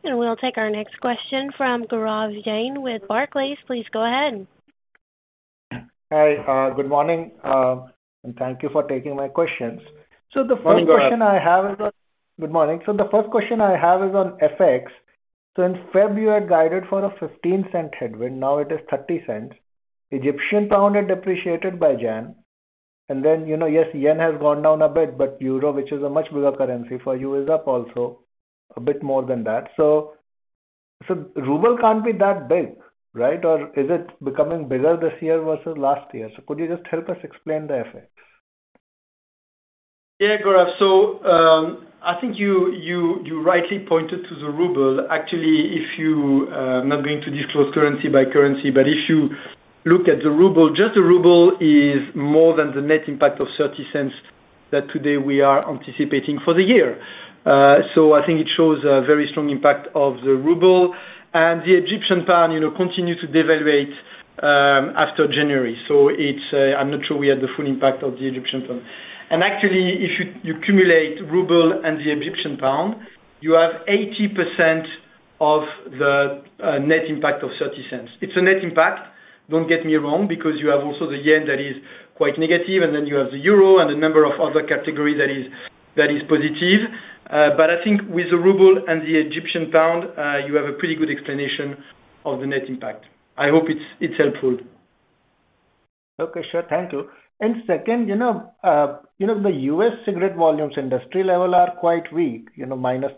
We'll take our next question from Gaurav Jain with Barclays. Please go ahead. Hi. Good morning, and thank you for taking my questions. Good morning, Gaurav. The first question I have is on. Good morning. The first question I have is on FX. In Feb, you had guided for a $0.15 headwind, now it is $0.30. Egyptian pound had depreciated by Jan. You know, yes, yen has gone down a bit, but euro, which is a much bigger currency for you, is up also a bit more than that. Ruble can't be that big, right? Is it becoming bigger this year versus last year? Could you just help us explain the FX? Yeah, Gaurav. I think you rightly pointed to the ruble. Actually, if you, I'm not going to disclose currency by currency, if you look at the ruble, just the ruble is more than the net impact of $0.30 that today we are anticipating for the year. I think it shows a very strong impact of the ruble. The Egyptian pound, you know, continued to devaluate after January, it's, I'm not sure we have the full impact of the Egyptian pound. If you cumulate ruble and the Egyptian pound, you have 80% of the net impact of $0.30. It's a net impact, don't get me wrong, because you have also the yen that is quite negative, and then you have the euro and a number of other category that is positive. I think with the ruble and the Egyptian pound, you have a pretty good explanation of the net impact. I hope it's helpful. Okay, sure. Thank you. Second, you know, the U.S. cigarette volumes industry level are quite weak, you know, -9%.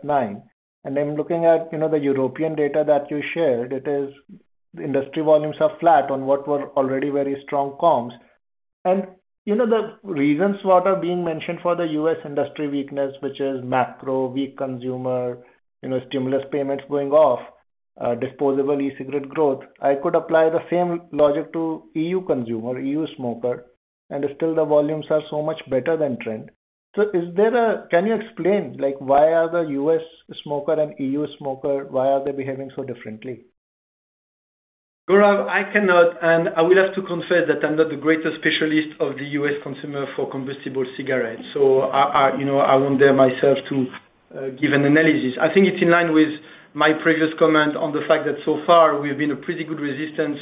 Looking at, you know, the European data that you shared, it is industry volumes are flat on what were already very strong comps. You know, the reasons what are being mentioned for the U.S. industry weakness, which is macro, weak consumer, you know, stimulus payments going off, disposable e-cigarette growth, I could apply the same logic to E.U. consumer, E.U. smoker, and still the volumes are so much better than trend. Is there, can you explain, like, why are the U.S. smoker and E.U. smoker, why are they behaving so differently? Gaurav, I cannot, and I will have to confess that I'm not the greatest specialist of the U.S. consumer for combustible cigarettes. I, you know, I won't dare myself to give an analysis. I think it's in line with my previous comment on the fact that so far we've been a pretty good resistance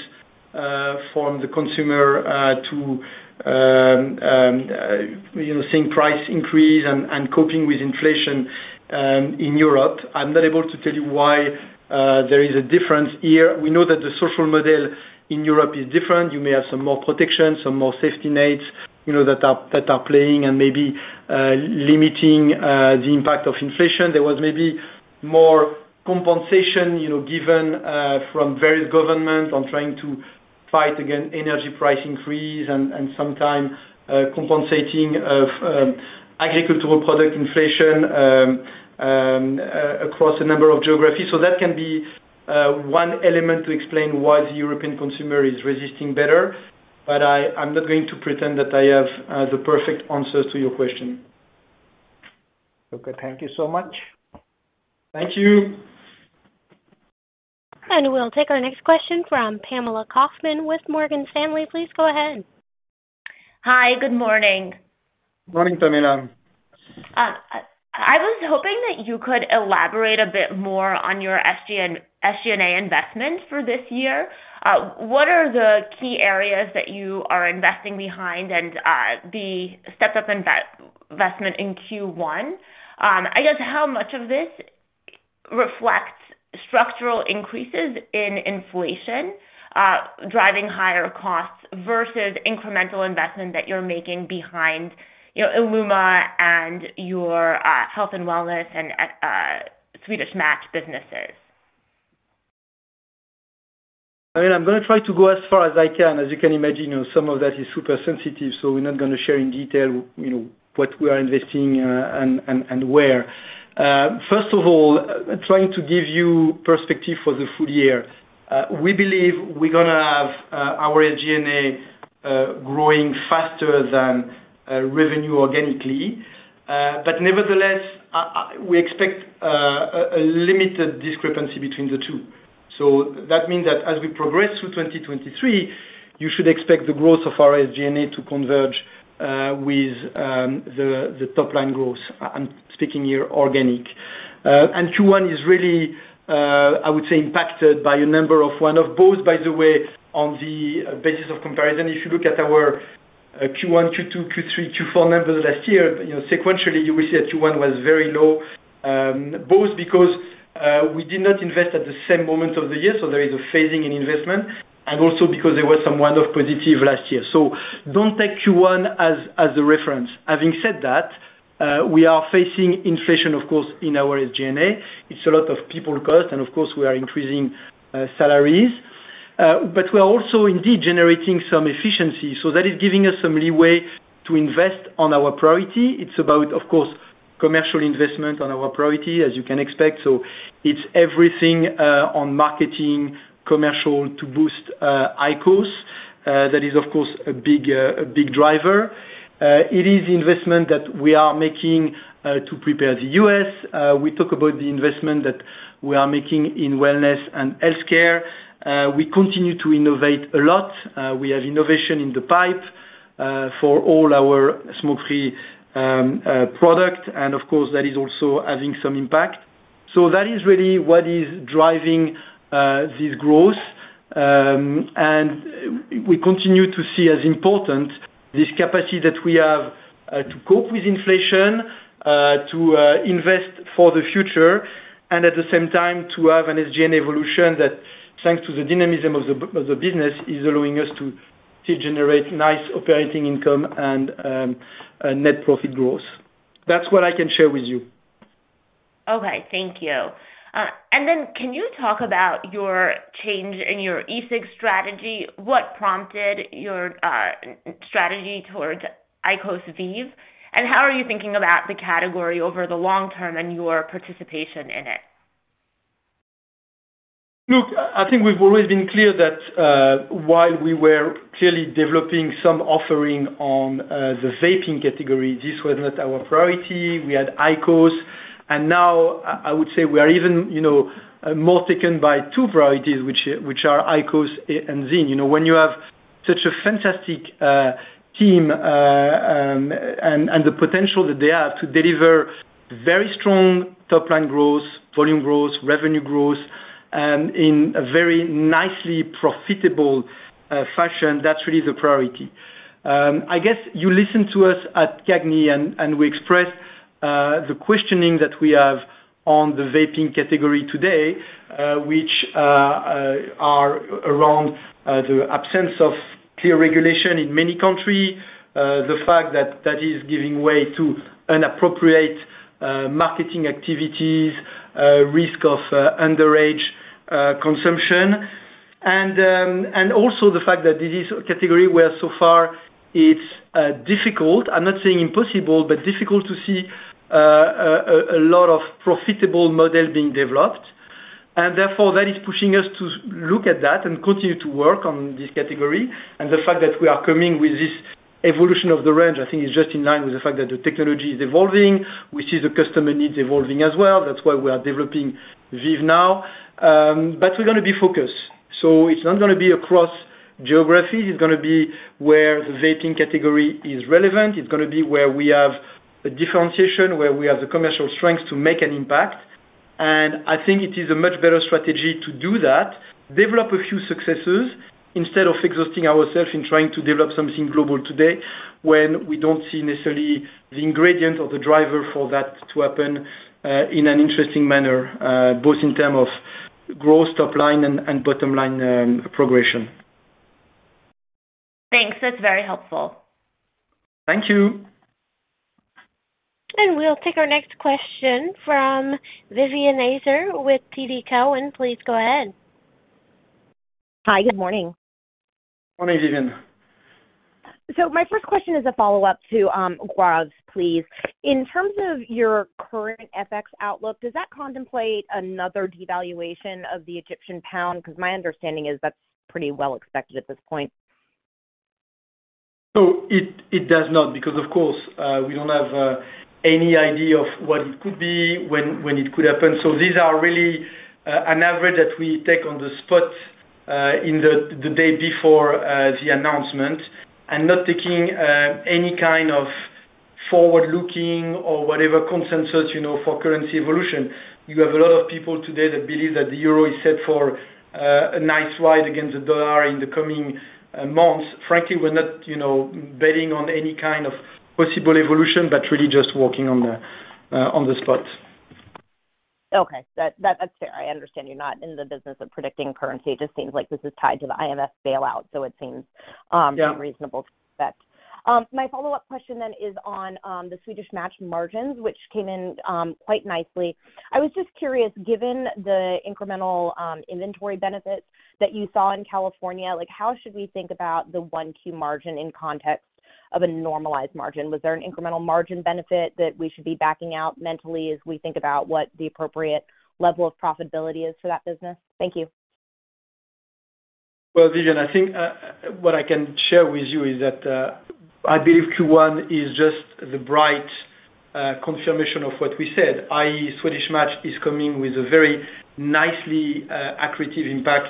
from the consumer to, you know, seeing price increase and coping with inflation in Europe. I'm not able to tell you why there is a difference here. We know that the social model in Europe is different. You may have some more protection, some more safety nets, you know, that are playing and maybe limiting the impact of inflation. There was maybe more compensation, you know, given from various government on trying to fight against energy price increase and sometime compensating of agricultural product inflation across a number of geographies. That can be one element to explain why the European consumer is resisting better. I'm not going to pretend that I have the perfect answers to your question. Okay, thank you so much. Thank you. We'll take our next question from Pamela Kaufman with Morgan Stanley. Please go ahead. Hi. Good morning. Morning, Pamela. I was hoping that you could elaborate a bit more on your SG&A investment for this year. What are the key areas that you are investing behind and the step up investment in Q1? I guess how much of this reflects structural increases in inflation driving higher costs versus incremental investment that you're making behind, you know, ILUMA and your health and wellness and Swedish Match businesses? I mean, I'm gonna try to go as far as I can. As you can imagine, you know, some of that is super sensitive, so we're not gonna share in detail, you know, what we are investing and where. First of all, trying to give you perspective for the full year, we believe we're gonna have our SG&A growing faster than revenue organically. Nevertheless, we expect a limited discrepancy between the two. That means that as we progress through 2023, you should expect the growth of our SG&A to converge with the top line growth. I'm speaking here organic. Q1 is really, I would say, impacted by a number of, one of both by the way, on the basis of comparison. If you look at our Q1, Q2, Q3, Q4 numbers last year, you know, sequentially you will see that Q1 was very low, both because we did not invest at the same moment of the year, so there is a phasing in investment, and also because there was some one-off positive last year. So don't take Q1 as a reference. Having said that, we are facing inflation, of course, in our SG&A. It's a lot of people cost and of course, we are increasing salaries. We are also indeed generating some efficiency. That is giving us some leeway to invest on our priority. It's about, of course, commercial investment on our priority, as you can expect. It's everything on marketing, commercial to boost IQOS. That is of course a big, a big driver. It is investment that we are making to prepare the U.S.. We talk about the investment that we are making in wellness and healthcare. We continue to innovate a lot. We have innovation in the pipe for all our smoke-free product and of course, that is also having some impact. That is really what is driving this growth. We continue to see as important, this capacity that we have to cope with inflation, to invest for the future and at the same time to have an SG&A evolution that thanks to the dynamism of the business, is allowing us to generate nice operating income and net profit growth. That's what I can share with you. Okay, thank you. Can you talk about your change in your e-cig strategy? What prompted your strategy towards IQOS, VEEV? How are you thinking about the category over the long term and your participation in it? Look, I think we've always been clear that, while we were clearly developing some offering on the vaping category, this was not our priority. We had IQOS. Now I would say we are even, you know, more taken by two priorities, which are IQOS and ZYN. You know, when you have such a fantastic team, and the potential that they have to deliver very strong top line growth, volume growth, revenue growth, in a very nicely profitable fashion, that's really the priority. I guess you listen to us at CAGNY, and we express the questioning that we have on the vaping category today, which are around the absence of clear regulation in many country. The fact that that is giving way to inappropriate marketing activities, risk of underage consumption. Also the fact that this is a category where so far it's difficult. I'm not saying impossible, but difficult to see a lot of profitable model being developed. Therefore that is pushing us to look at that and continue to work on this category. The fact that we are coming with this evolution of the range, I think is just in line with the fact that the technology is evolving. We see the customer needs evolving as well. That's why we are developing VEEV NOW. We're gonna be focused. It's not gonna be across geography. It's gonna be where the vaping category is relevant. It's gonna be where we have a differentiation, where we have the commercial strength to make an impact. I think it is a much better strategy to do that, develop a few successes instead of exhausting ourselves in trying to develop something global today when we don't see necessarily the ingredient or the driver for that to happen, in an interesting manner, both in term of growth top line and bottom line progression. Thanks. That's very helpful. Thank you. We'll take our next question from Vivien Azer with TD Cowen. Please go ahead. Hi. Good morning. Morning, Vivien. My first question is a follow-up to Gaurav's, please. In terms of your current FX outlook, does that contemplate another devaluation of the Egyptian pound? Because my understanding is that's pretty well expected at this point. It does not, because of course, we don't have any idea of what it could be, when it could happen. These are really an average that we take on the spot, in the day before the announcement and not taking any kind of forward-looking or whatever consensus, you know, for currency evolution. You have a lot of people today that believe that the euro is set for a nice ride against the dollar in the coming months. Frankly, we're not, you know, betting on any kind of possible evolution, but really just working on the spot. Okay. That's fair. I understand you're not in the business of predicting currency. It just seems like this is tied to the IMF bailout, so it seems. Yeah. Reasonable to expect. My follow-up question is on the Swedish Match margins, which came in quite nicely. I was just curious, given the incremental inventory benefits that you saw in California, like, how should we think about the 1Q margin in context of a normalized margin? Was there an incremental margin benefit that we should be backing out mentally as we think about what the appropriate level of profitability is for that business? Thank you. Vivien, I think what I can share with you is that I believe Q1 is just the bright confirmation of what we said, i.e., Swedish Match is coming with a very nicely accretive impact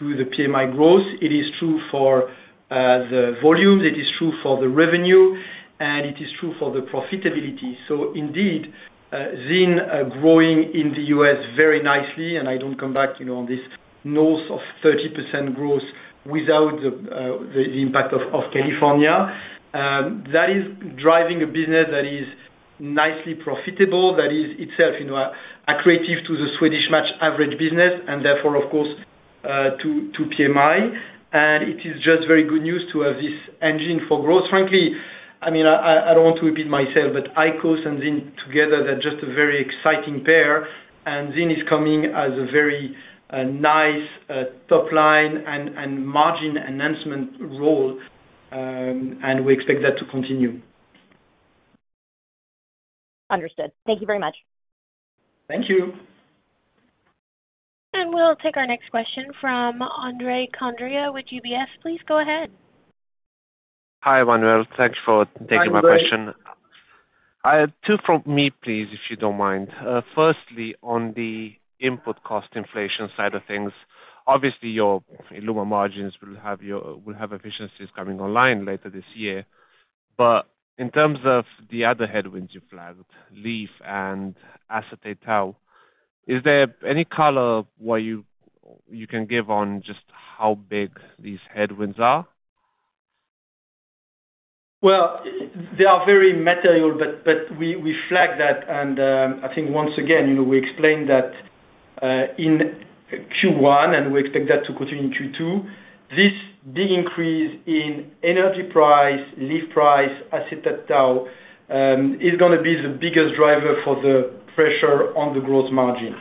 to the PMI growth. It is true for the volume, it is true for the revenue, and it is true for the profitability. Indeed, ZYN growing in the U.S. very nicely, and I don't come back, you know, on this north of 30% growth without the impact of California. That is driving a business that is nicely profitable, that is itself, you know, accretive to the Swedish Match average business and therefore of course to PMI. It is just very good news to have this engine for growth, frankly. I don't want to repeat myself. IQOS and ZYN together they're just a very exciting pair. ZYN is coming as a very nice top line and margin enhancement role. We expect that to continue. Understood. Thank you very much. Thank you. We'll take our next question from Andrei Condrea with UBS. Please go ahead. Hi, Emmanuel. Thanks for taking my question. Hi, Andrei. I have two from me, please, if you don't mind. Firstly, on the input cost inflation side of things, obviously your ILUMA margins will have efficiencies coming online later this year. In terms of the other headwinds you flagged, leaf and acetate tow, is there any color what you can give on just how big these headwinds are? They are very material, but we flagged that, and I think once again, you know, we explained that in Q1, and we expect that to continue in Q2. This big increase in energy price, leaf price, acetate tow, is gonna be the biggest driver for the pressure on the growth margin.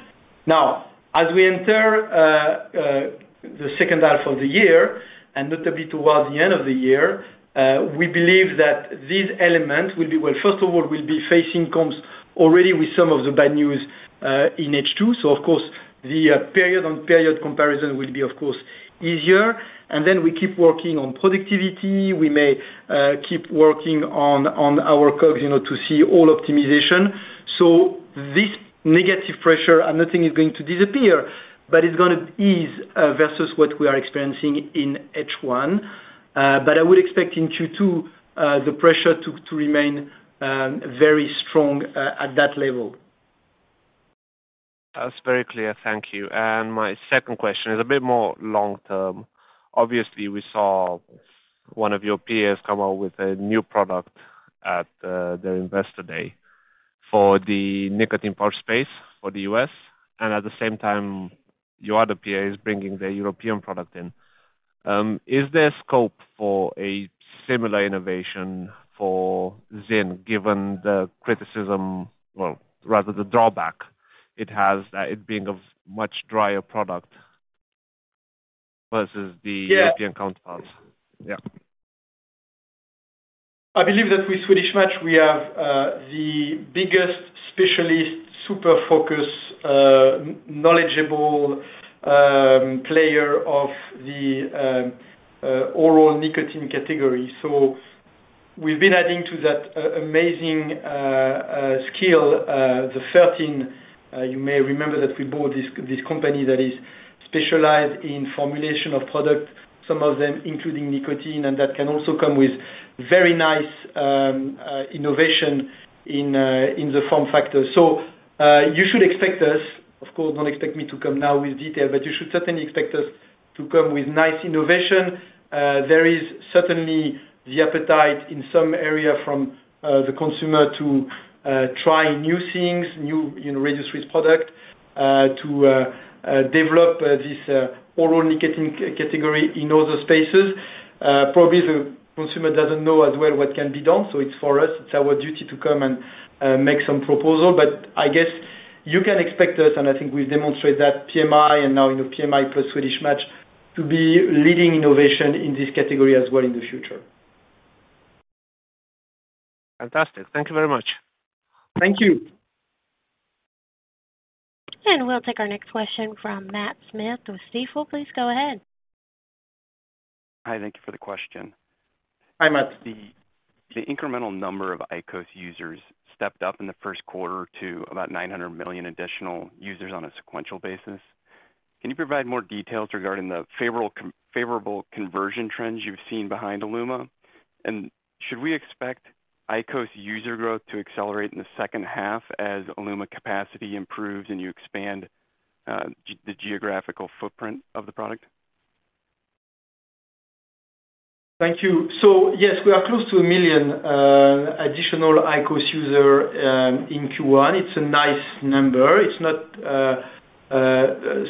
As we enter the second half of the year, and notably towards the end of the year, we believe that this element will be, well, first of all, we'll be facing comps already with some of the bad news in H2. Of course, the period on period comparison will be of course, easier. We keep working on productivity. We may keep working on our COGS, you know, to see all optimization. This negative pressure, I'm not saying is going to disappear, but it's going to ease versus what we are experiencing in H1. I would expect in Q2 the pressure to remain very strong at that level. That's very clear. Thank you. My second question is a bit more long-term. Obviously, we saw one of your peers come out with a new product at the Investor Day for the nicotine pouch space for the U.S. And at the same time, your other peer is bringing their European product in. Is there scope for a similar innovation for ZYN, given the criticism? Well, rather the drawback it has, that it being a much drier product versus the. Yeah. European counterparts? Yeah. I believe that with Swedish Match, we have the biggest specialist, super focused, knowledgeable player of the oral nicotine category. We've been adding to that amazing skill, the Fertin, you may remember that we bought this company that is specialized in formulation of product, some of them including nicotine, and that can also come with very nice innovation in the form factor. You should expect us, of course, don't expect me to come now with detail, but you should certainly expect us to come with nice innovation. There is certainly the appetite in some area from the consumer to try new things, new, you know, reduced-risk product to develop this oral nicotine category in other spaces. Probably the consumer doesn't know as well what can be done. It's for us, it's our duty to come and make some proposal. I guess you can expect us, and I think we've demonstrated that, PMI and now, you know, PMI plus Swedish Match to be leading innovation in this category as well in the future. Fantastic. Thank you very much. Thank you. We'll take our next question from Matt Smith with Stifel. Please go ahead. Hi. Thank you for the question. Hi, Matt. The incremental number of IQOS users stepped up in the first quarter to about 900 million additional users on a sequential basis. Can you provide more details regarding the favorable conversion trends you've seen behind ILUMA? Should we expect IQOS user growth to accelerate in the second half as ILUMA capacity improves and you expand the geographical footprint of the product? Thank you. Yes, we are close to a million additional IQOS user in Q1. It's a nice number. It's not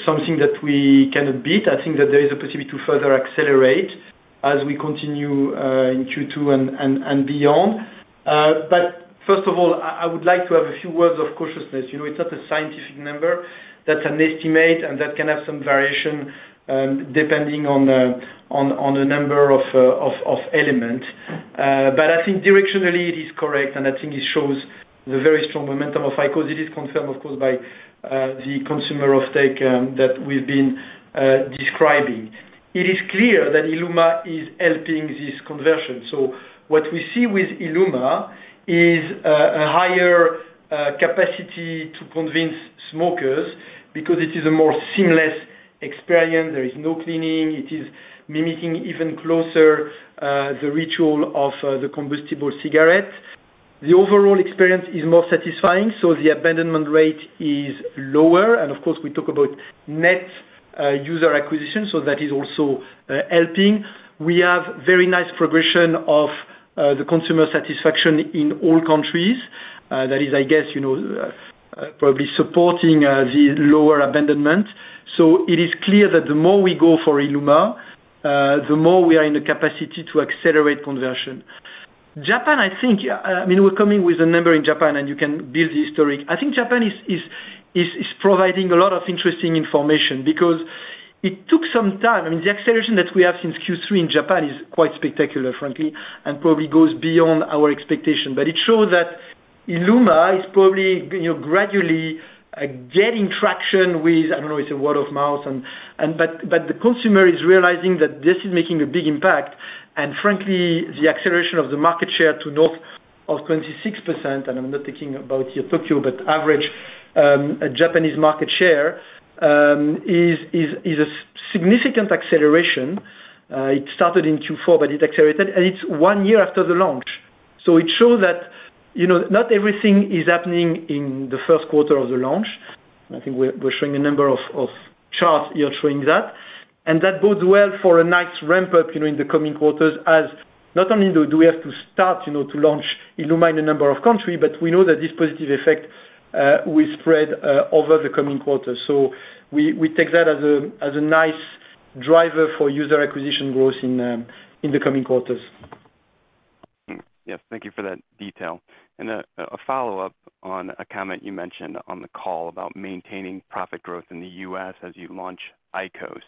something that we can beat. I think that there is a possibility to further accelerate as we continue in Q2 and beyond. First of all, I would like to have a few words of cautiousness. You know, it's not a scientific number. That's an estimate, and that can have some variation depending on the number of element. I think directionally it is correct, and I think it shows the very strong momentum of IQOS. It is confirmed, of course, by the consumer off-take that we've been describing. It is clear that ILUMA is helping this conversion. What we see with ILUMA is a higher capacity to convince smokers because it is a more seamless experience. There is no cleaning. It is mimicking even closer the ritual of the combustible cigarette. The overall experience is more satisfying. The abandonment rate is lower. Of course, we talk about net user acquisition. That is also helping. We have very nice progression of the consumer satisfaction in all countries. That is, I guess, you know, probably supporting the lower abandonment. It is clear that the more we go for ILUMA, the more we are in the capacity to accelerate conversion. Japan, I think, I mean, we're coming with a number in Japan. You can build the historic. I think Japan is providing a lot of interesting information because it took some time. I mean, the acceleration that we have since Q3 in Japan is quite spectacular, frankly, and probably goes beyond our expectation. It shows that ILUMA is probably gradually getting traction with, I don't know, it's word of mouth. The consumer is realizing that this is making a big impact. Frankly, the acceleration of the market share to north of 26%, and I'm not talking about here Tokyo, but average Japanese market share is a significant acceleration. It started in Q4, it accelerated, and it's one year after the launch. It shows that, you know, not everything is happening in the first quarter of the launch. I think we're showing a number of charts here showing that. That bodes well for a nice ramp up, you know, in the coming quarters as not only do we have to start, you know, to launch ILUMA in a number of country, but we know that this positive effect will spread over the coming quarters. We take that as a nice driver for user acquisition growth in the coming quarters. Yes, thank you for that detail. A follow-up on a comment you mentioned on the call about maintaining profit growth in the U.S. as you launch IQOS.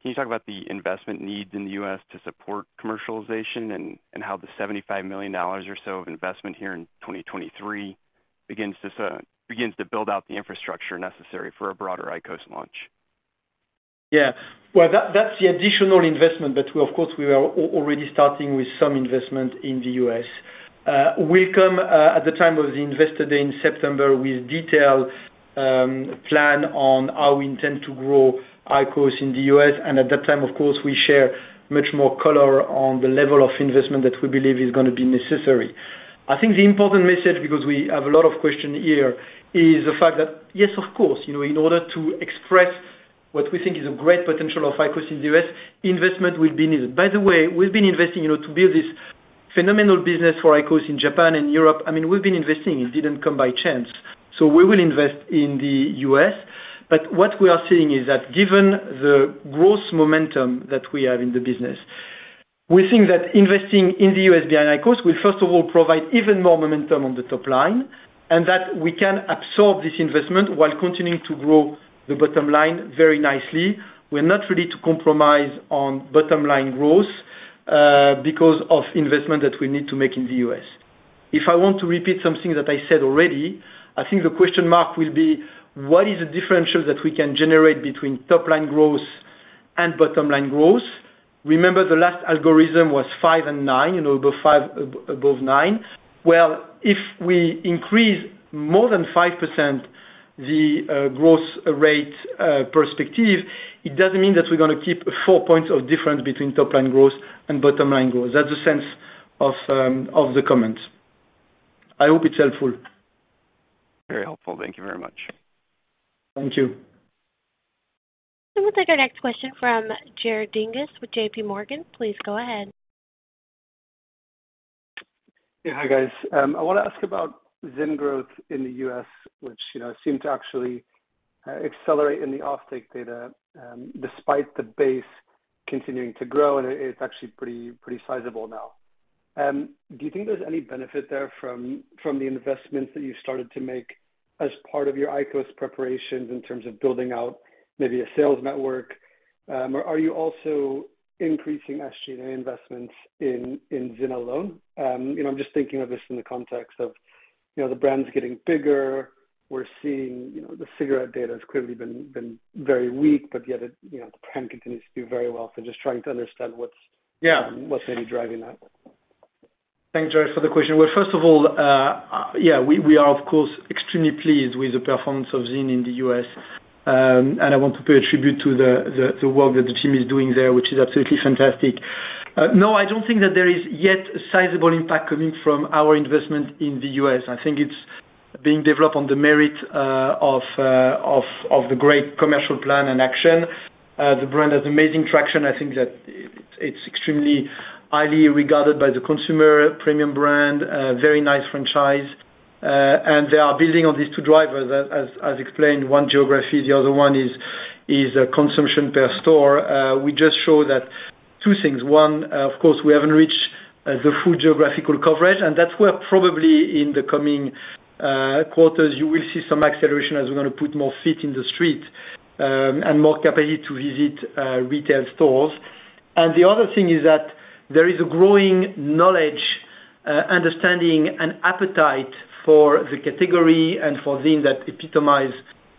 Can you talk about the investment needs in the U.S. to support commercialization and how the $75 million or so of investment here in 2023 begins to build out the infrastructure necessary for a broader IQOS launch? Yeah. Well, that's the additional investment, we of course we are already starting with some investment in the U.S. We come at the time of the Investor Day in September with detailed plan on how we intend to grow IQOS in the U.S. And at that time, of course, we share much more color on the level of investment that we believe is gonna be necessary. I think the important message, because we have a lot of question here, is the fact that, yes, of course, you know, in order to express what we think is a great potential of IQOS in the U.S., investment will be needed. By the way, we've been investing, you know, to build this phenomenal business for IQOS in Japan and Europe. I mean, we've been investing. It didn't come by chance. We will invest in the U.S. What we are seeing is that given the growth momentum that we have in the business, we think that investing in the U.S. behind IQOS will, first of all, provide even more momentum on the top line and that we can absorb this investment while continuing to grow the bottom line very nicely. We're not ready to compromise on bottom-line growth because of investment that we need to make in the U.S. If I want to repeat something that I said already, I think the question mark will be, what is the differential that we can generate between top-line growth and bottom-line growth? Remember, the last algorithm was 5% and 9%, you know, above 5%, above 9%. Well, if we increase more than 5% the growth rate perspective, it doesn't mean that we're gonna keep 4 points of difference between top-line growth and bottom-line growth. That's the sense of the comment. I hope it's helpful. Very helpful. Thank you very much. Thank you. We'll take our next question from Jared Dinges with JPMorgan. Please go ahead. Yeah. Hi, guys. I wanna ask about ZYN growth in the U.S., which, you know, seemed to actually accelerate in the off-take data, despite the base continuing to grow, and it's actually pretty sizable now. Do you think there's any benefit there from the investments that you started to make as part of your IQOS preparations in terms of building out maybe a sales network? Are you also increasing SG&A investments in ZYN alone? You know, I'm just thinking of this in the context of, you know, the brand's getting bigger. We're seeing, you know, the cigarette data has clearly been very weak, yet, you know, the brand continues to do very well. Just trying to understand what's. Yeah. What's maybe driving that. Thanks, Jared, for the question. First of all, yeah, we are of course extremely pleased with the performance of ZYN in the U.S. I want to pay a tribute to the work that the team is doing there, which is absolutely fantastic. I don't think that there is yet a sizable impact coming from our investment in the U.S. I think it's being developed on the merit of the great commercial plan and action. The brand has amazing traction. I think that it's extremely highly regarded by the consumer, premium brand, a very nice franchise. They are building on these two drivers, as explained, one geography, the other one is consumption per store. We just show that two things. One, of course, we haven't reached the full geographical coverage, and that's where probably in the coming quarters, you will see some acceleration as we're gonna put more feet in the street, and more capacity to visit retail stores. The other thing is that there is a growing knowledge, understanding and appetite for the category and for ZYN that epitomize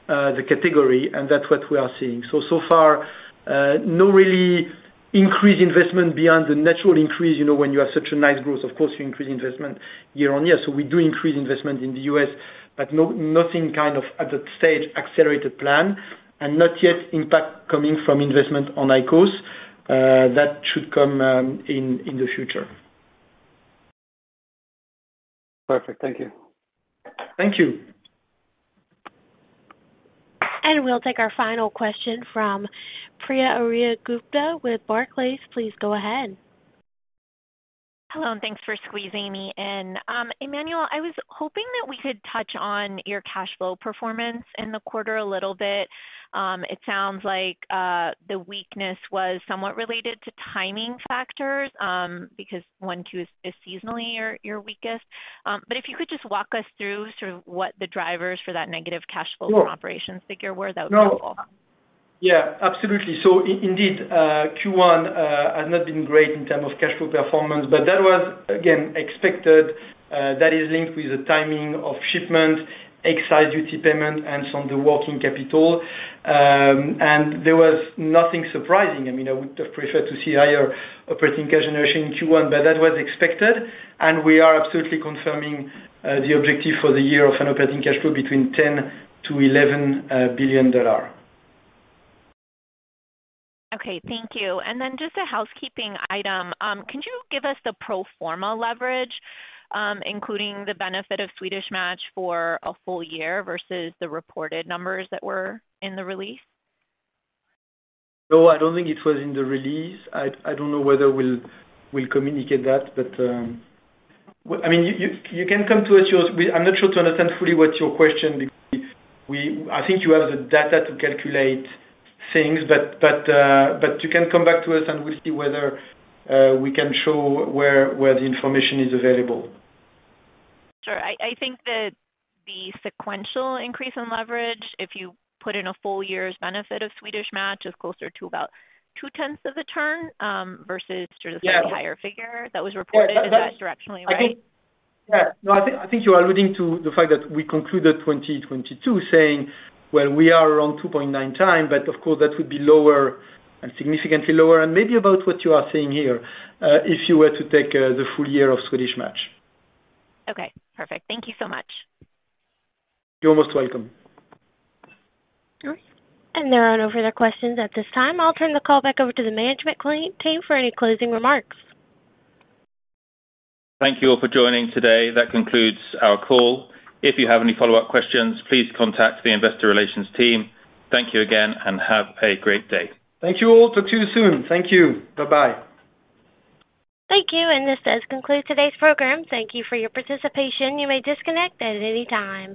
the category, and that's what we are seeing. So far, no really increased investment beyond the natural increase. You know, when you have such a nice growth, of course, you increase investment year on year. We do increase investment in the U.S., but nothing kind of at that stage accelerated plan and not yet impact coming from investment on IQOS. That should come in the future. Perfect. Thank you. Thank you. We'll take our final question from Priya Ohri-Gupta with Barclays. Please go ahead. Hello. Thanks for squeezing me in. Emmanuel, I was hoping that we could touch on your cash flow performance in the quarter a little bit. It sounds like the weakness was somewhat related to timing factors, because one, two is seasonally your weakest. If you could just walk us through sort of what the drivers for that negative cash flow from operations figure were, that would be helpful. No. Yeah, absolutely. Indeed, Q1 has not been great in terms of cash flow performance, but that was, again, expected. That is linked with the timing of shipments, excise duty payment, and some of the working capital. There was nothing surprising. I mean, I would have preferred to see higher operating cash generation in Q1, but that was expected, and we are absolutely confirming the objective for the year of an operating cash flow between $10 billion-$11 billion. Okay, thank you. Just a housekeeping item. Could you give us the pro forma leverage, including the benefit of Swedish Match for a full year versus the reported numbers that were in the release? No, I don't think it was in the release. I don't know whether we'll communicate that, but I mean, you can come to us. I'm not sure to understand fully what your question, because we, I think you have the data to calculate things, but you can come back to us, and we'll see whether we can show where the information is available. Sure. I think that the sequential increase in leverage, if you put in a full year's benefit of Swedish Match, is closer to about 0.2 of the turn versus just the higher figure that was reported. Is that directionally right? Yeah. No, I think you are alluding to the fact that we concluded 2022 saying, well, we are around 2.9x, but of course, that would be lower and significantly lower, and maybe about what you are saying here, if you were to take the full year of Swedish Match. Okay, perfect. Thank you so much. You're most welcome. All right. There are no further questions at this time. I'll turn the call back over to the management team for any closing remarks. Thank you all for joining today. That concludes our call. If you have any follow-up questions, please contact the investor relations team. Thank you again, and have a great day. Thank you all. Talk to you soon. Thank you. Bye-bye. Thank you. This does conclude today's program. Thank you for your participation. You may disconnect at any time.